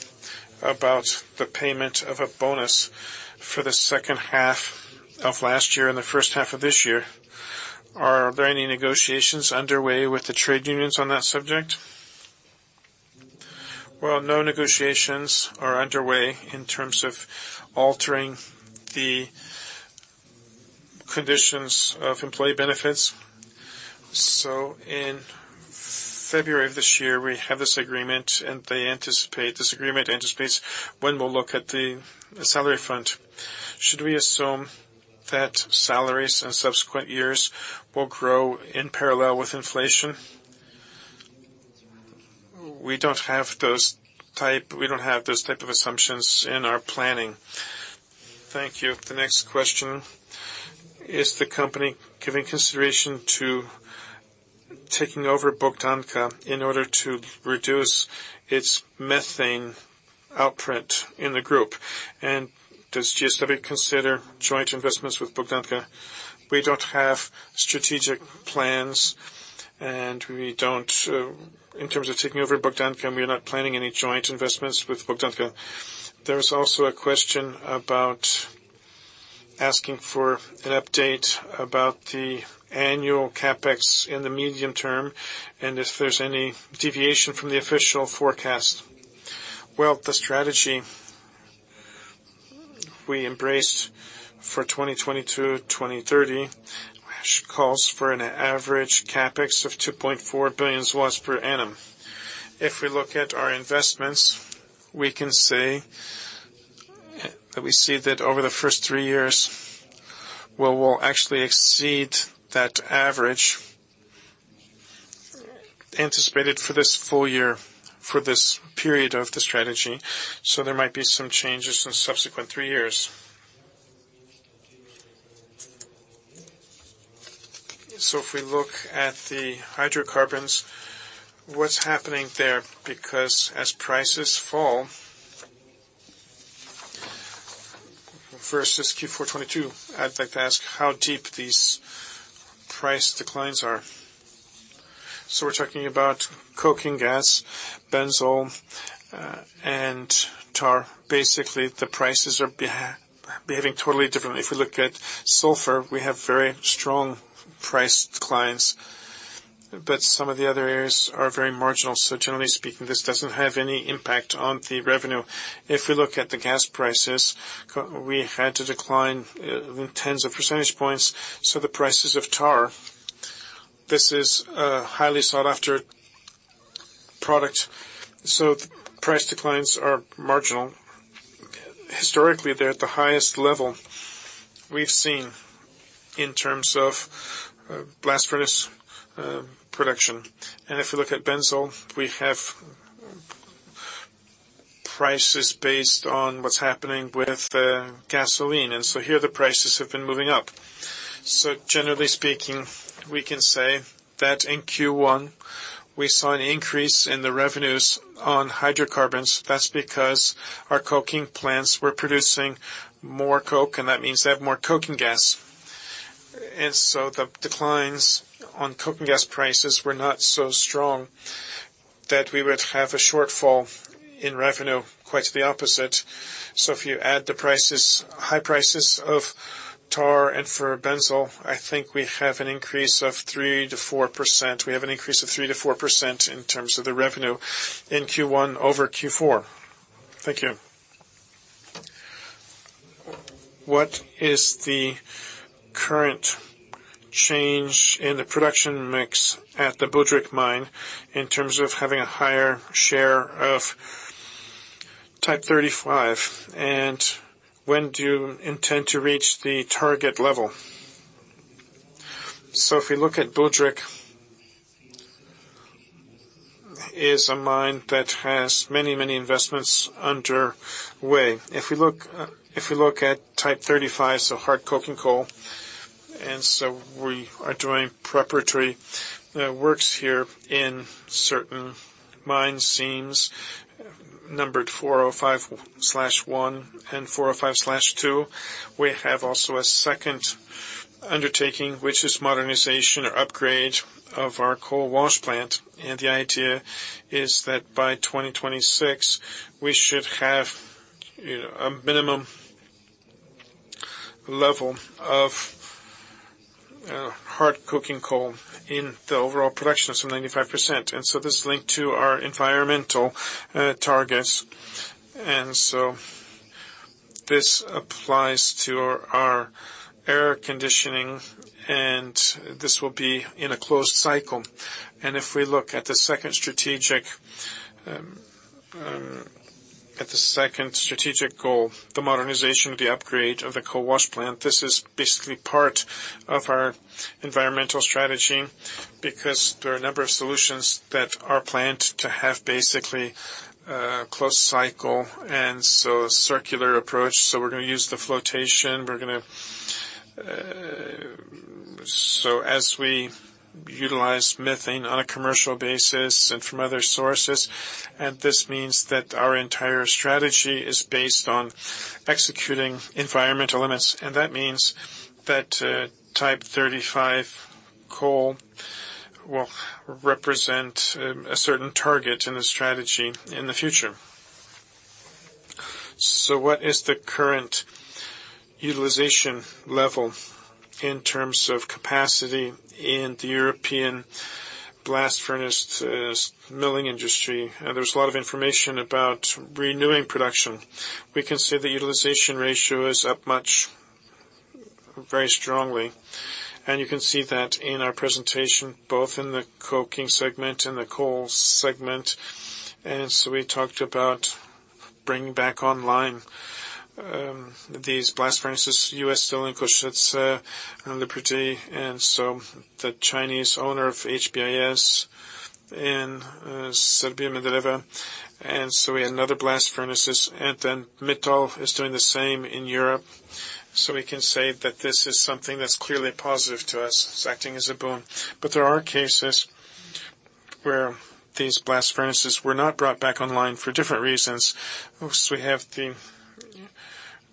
about the payment of a bonus for the second half of last year and the first half of this year. Are there any negotiations underway with the trade unions on that subject? Well, no negotiations are underway in terms of altering the conditions of employee benefits. In February of this year, we have this agreement, and this agreement anticipates when we'll look at the salary fund. Should we assume that salaries in subsequent years will grow in parallel with inflation? We don't have those type of assumptions in our planning. Thank you. The next question: Is the company giving consideration to taking over Bogdanka in order to reduce its methane output in the group? Does JSW consider joint investments with Bogdanka? We don't have strategic plans, and we don't. In terms of taking over Bogdanka, we are not planning any joint investments with Bogdanka. There is also a question about asking for an update about the annual CapEx in the medium term and if there's any deviation from the official forecast. The strategy we embraced for 2022, 2030, which calls for an average CapEx of 2.4 billion per annum. If we look at our investments, we can say that we see that over the first 3 years, well, we'll actually exceed that average anticipated for this full year, for this period of the strategy. There might be some changes in subsequent 3 years. If we look at the hydrocarbons, what's happening there? As prices fall... First, this Q4 2022, I'd like to ask how deep these price declines are. We're talking about coking gas, Benzol, and tar. Basically, the prices are behaving totally differently. If we look at Sulfur, we have very strong price declines, but some of the other areas are very marginal. Generally speaking, this doesn't have any impact on the revenue. If we look at the gas prices, we had to decline tens of percentage points. The prices of Coal Tar, this is a highly sought-after product. Historically, they're at the highest level we've seen in terms of blast furnace production. If you look at Benzol, we have prices based on what's happening with gasoline. Here the prices have been moving up. Generally speaking, we can say that in Q1, we saw an increase in the revenues on hydrocarbons. That's because our coking plants were producing more coke, and that means they have more Coke oven gas. The declines on Coke oven gas prices were not so strong that we would have a shortfall in revenue, quite the opposite. If you add the prices, high prices of tar and for Benzol, I think we have an increase of 3%-4%. We have an increase of 3%-4% in terms of the revenue in Q1 over Q4. Thank you. What is the current change in the production mix at the Budryk Mine in terms of having a higher share of Type 35, and when do you intend to reach the target level? If we look at Budryk, is a mine that has many, many investments under way. If we look at Type 35, so hard coking coal, and so we are doing preparatory works here in certain mine seams, numbered 405/1 and 405/2. We have also a second undertaking, which is modernization or upgrade of our coal wash plant. The idea is that by 2026, we should have, you know, a minimum level of hard coking coal in the overall production, so 95%. This is linked to our environmental targets. This applies to our air conditioning, and this will be in a closed cycle. If we look at the second strategic goal, the modernization, the upgrade of the coal wash plant, this is basically part of our environmental strategy because there are a number of solutions that are planned to have basically a closed cycle, a circular approach. We're gonna use the flotation. So as we utilize methane on a commercial basis and from other sources, and this means that our entire strategy is based on executing environmental limits, and that means that Type 35 coal will represent a certain target in the strategy in the future. What is the current utilization level in terms of capacity in the European blast furnace milling industry? There's a lot of information about renewing production. We can see the utilization ratio is up much, very strongly. You can see that in our presentation, both in the coking segment and the coal segment. We talked about bringing back online these blast furnaces, U.S. Steel in Košice and Liberty, the Chinese owner of HBIS in Serbia, ArcelorMittal. We had another blast furnaces, and then ArcelorMittal is doing the same in Europe. We can say that this is something that's clearly positive to us. It's acting as a boom. There are cases where these blast furnaces were not brought back online for different reasons. We have the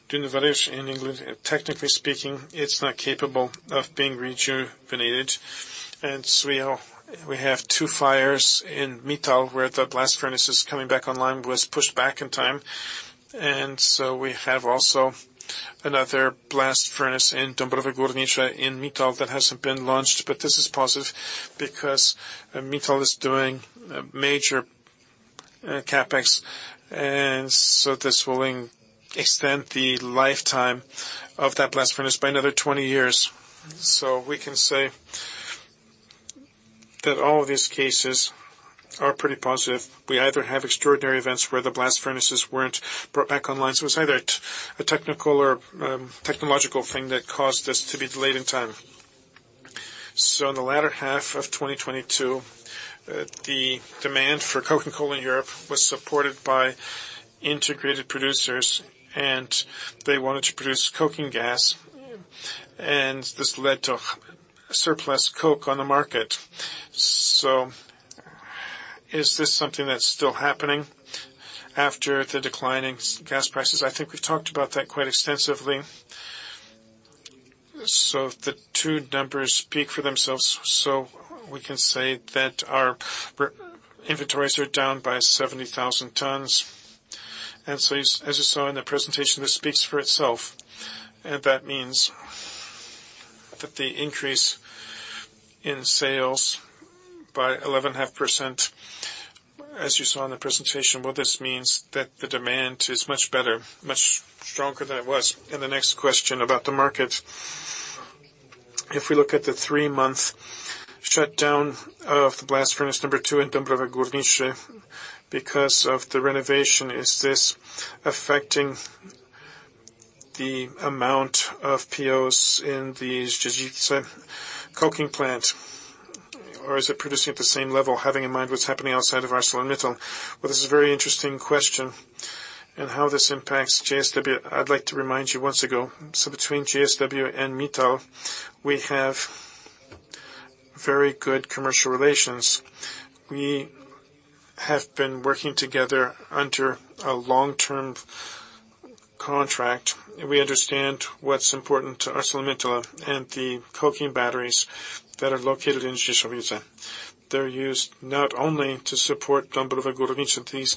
Dunaferr in England. Technically speaking, it's not capable of being rejuvenated. We have two fires in ArcelorMittal where the blast furnace is coming back online, was pushed back in time. We have also another blast furnace in Dąbrowa Górnicza in ArcelorMittal that hasn't been launched. This is positive because ArcelorMittal is doing a major CapEx, and so this will extend the lifetime of that blast furnace by another 20 years. We can say that all these cases are pretty positive. We either have extraordinary events where the blast furnaces weren't brought back online. It's either a technical or technological thing that caused this to be delayed in time. In the latter half of 2022, the demand for coking coal in Europe was supported by integrated producers, and they wanted to produce coking gas, and this led to surplus coke on the market. Is this something that's still happening after the declining gas prices? I think we've talked about that quite extensively. The 2 numbers speak for themselves. We can say that our inventories are down by 70,000 tons. As you saw in the presentation, this speaks for itself. That means that the increase in sales by 11.5%, as you saw in the presentation, this means that the demand is much better, much stronger than it was. The next question about the market. If we look at the 3-month shutdown of the blast furnace number 2 in Dąbrowa Górnicza because of the renovation, is this affecting the amount of POS in the Zdzieszowice coking plant, or is it producing at the same level, having in mind what's happening outside of ArcelorMittal? Well, this is a very interesting question and how this impacts JSW. I'd like to remind you once ago. Between JSW and Mittal, we have very good commercial relations. We have been working together under a long-term contract. We understand what's important to ArcelorMittal and the coking batteries that are located in Zdzieszowice. They're used not only to support Dąbrowa Górnicza.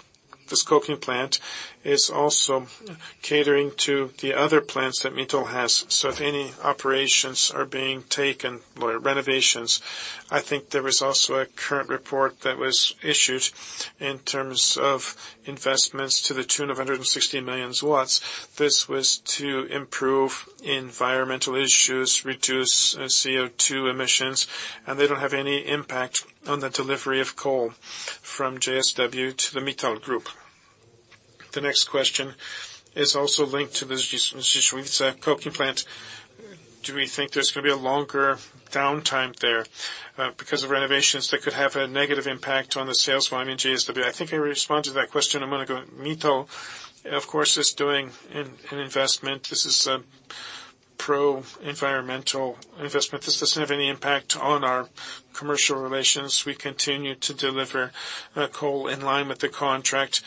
This coking plant is also catering to the other plants that Mittal has. If any operations are being taken or renovations, I think there is also a current report that was issued in terms of investments to the tune of 160 million. This was to improve environmental issues, reduce CO₂ emissions, and they don't have any impact on the delivery of coal from JSW to the Mittal Group. The next question is also linked to the Zdzieszowice coking plant. Do we think there's gonna be a longer downtime there because of renovations that could have a negative impact on the sales volume in JSW? I think I already responded to that question a moment ago. Mittal, of course, is doing an investment. This is a pro-environmental investment. This doesn't have any impact on our commercial relations. We continue to deliver coal in line with the contract.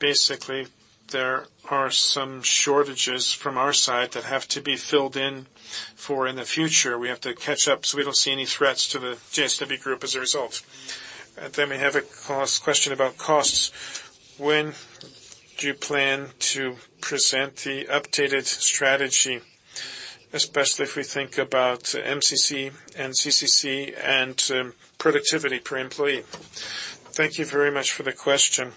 Basically, there are some shortages from our side that have to be filled in for in the future. We have to catch up, so we don't see any threats to the JSW Group as a result. We have a question about costs. When do you plan to present the updated strategy, especially if we think about MCC and CCC and productivity per employee? Thank you very much for the question.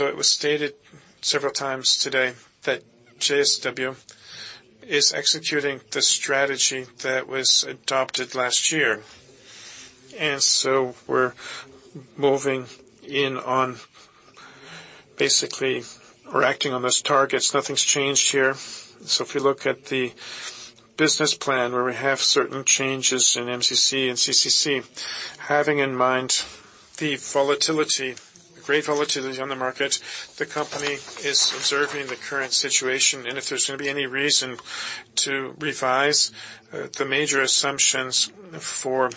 It was stated several times today that JSW is executing the strategy that was adopted last year. We're moving in on basically we're acting on those targets. Nothing's changed here. If you look at the business plan where we have certain changes in MCC and CCC, having in mind the volatility, great volatility on the market, the company is observing the current situation, and if there's going to be any reason to revise the major assumptions for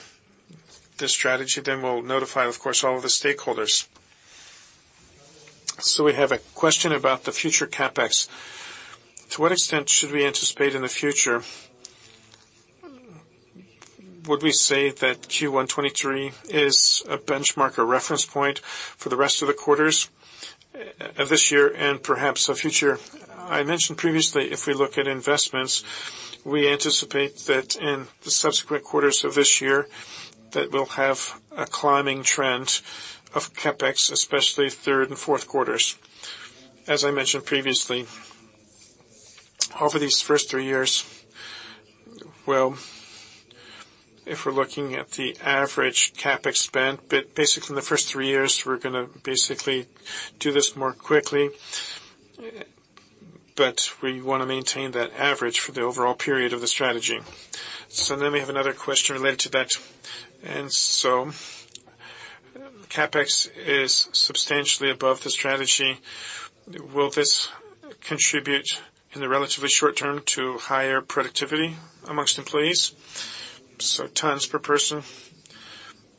this strategy, then we will notify, of course, all of the stakeholders. We have a question about the future CapEx. To what extent should we anticipate in the future? Would we say that Q1 2023 is a benchmark or reference point for the rest of the quarters this year and perhaps the future? I mentioned previously, if we look at investments, we anticipate that in the subsequent quarters of this year, that we will have a climbing trend of CapEx, especially third and fourth quarters. As I mentioned previously, over these first 3 years, well, if we're looking at the average CapEx spend, basically in the first 3 years, we're gonna basically do this more quickly, but we wanna maintain that average for the overall period of the strategy. We have another question related to that. CapEx is substantially above the strategy. Will this contribute in the relatively short term to higher productivity amongst employees, so tons per person?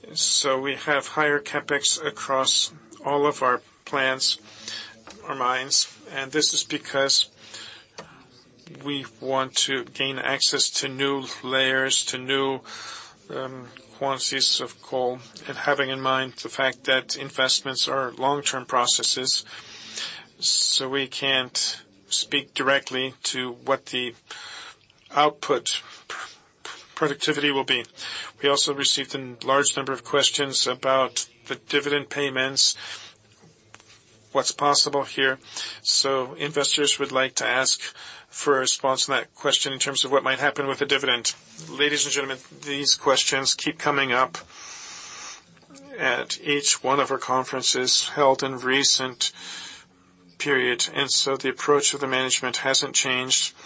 We have higher CapEx across all of our plants or mines, and this is because we want to gain access to new layers, to new quantities of coal, and having in mind the fact that investments are long-term processes, so we can't speak directly to what the output productivity will be. We also received a large number of questions about the dividend payments, what's possible here. Investors would like to ask for a response to that question in terms of what might happen with the dividend. Ladies and gentlemen, these questions keep coming up at each one of our conferences held in recent period. The approach of the management hasn't changed.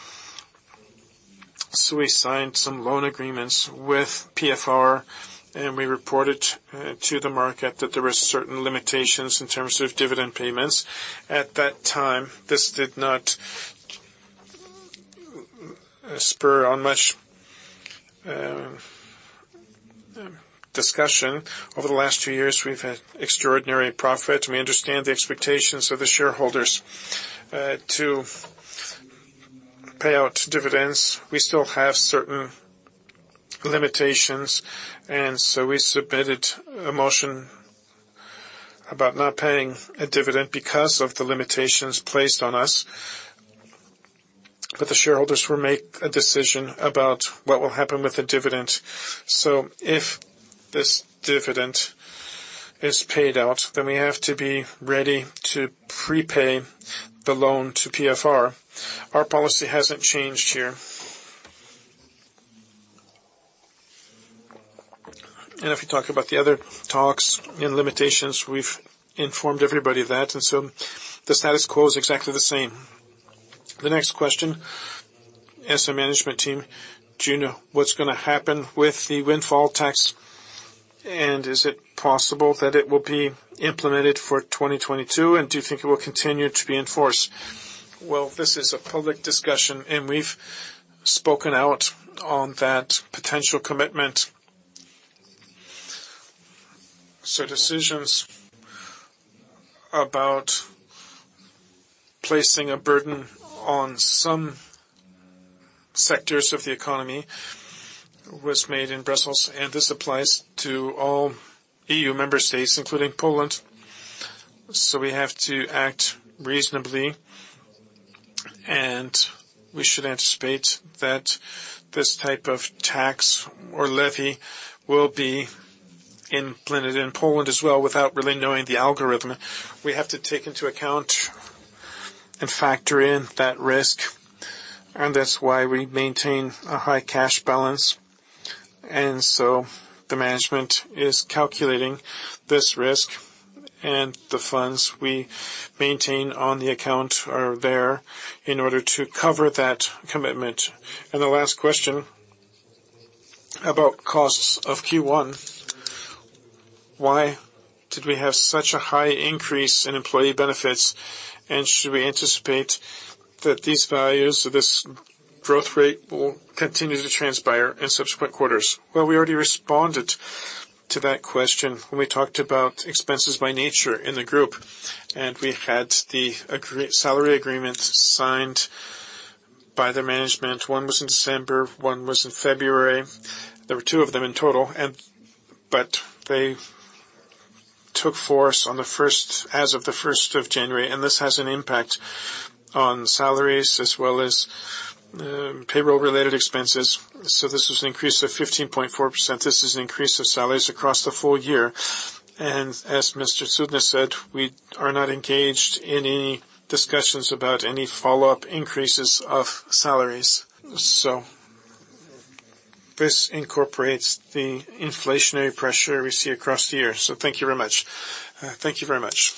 We signed some loan agreements with PFR, and we reported to the market that there were certain limitations in terms of dividend payments. At that time, this did not spur on much discussion. Over the last 2 years, we've had extraordinary profit, and we understand the expectations of the shareholders to pay out dividends. We still have certain limitations, we submitted a motion about not paying a dividend because of the limitations placed on us. The shareholders will make a decision about what will happen with the dividend. If this dividend is paid out, we have to be ready to prepay the loan to PFR. Our policy hasn't changed here. If you talk about the other talks and limitations, we've informed everybody of that. The status quo is exactly the same. The next question, as a management team, do you know what's going to happen with the windfall tax? Is it possible that it will be implemented for 2022? Do you think it will continue to be in force? This is a public discussion, and we've spoken out on that potential commitment. Decisions about placing a burden on some sectors of the economy was made in Brussels, and this applies to all EU member states, including Poland. We have to act reasonably, and we should anticipate that this type of tax or levy will be implemented in Poland as well, without really knowing the algorithm. We have to take into account and factor in that risk, and that's why we maintain a high cash balance. The management is calculating this risk, and the funds we maintain on the account are there in order to cover that commitment. The last question about costs of Q1. Why did we have such a high increase in employee benefits? Should we anticipate that these values or this growth rate will continue to transpire in subsequent quarters? Well, we already responded to that question when we talked about expenses by nature in the group, and we had the agree-salary agreement signed by the management. One was in December, one was in February. There were two of them in total. They took force on the first, as of the first of January. This has an impact on salaries as well as, payroll-related expenses. This was an increase of 15.4%. This is an increase of salaries across the full year. As Mr. Cudny said, we are not engaged in any discussions about any follow-up increases of salaries. This incorporates the inflationary pressure we see across the year. Thank you very much. Thank you very much.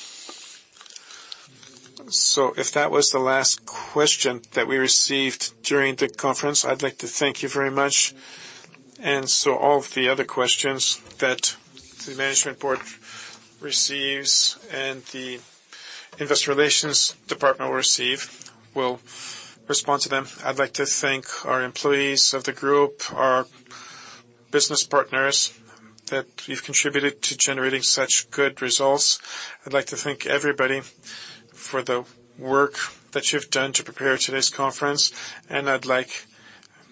If that was the last question that we received during the conference, I'd like to thank you very much. All of the other questions that the management board receives and the investor relations department will receive, we'll respond to them. I'd like to thank our employees of the group, our business partners that you've contributed to generating such good results. I'd like to thank everybody for the work that you've done to prepare today's conference. I'd like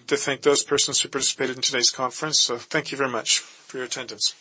to thank those persons who participated in today's conference. Thank you very much for your attendance.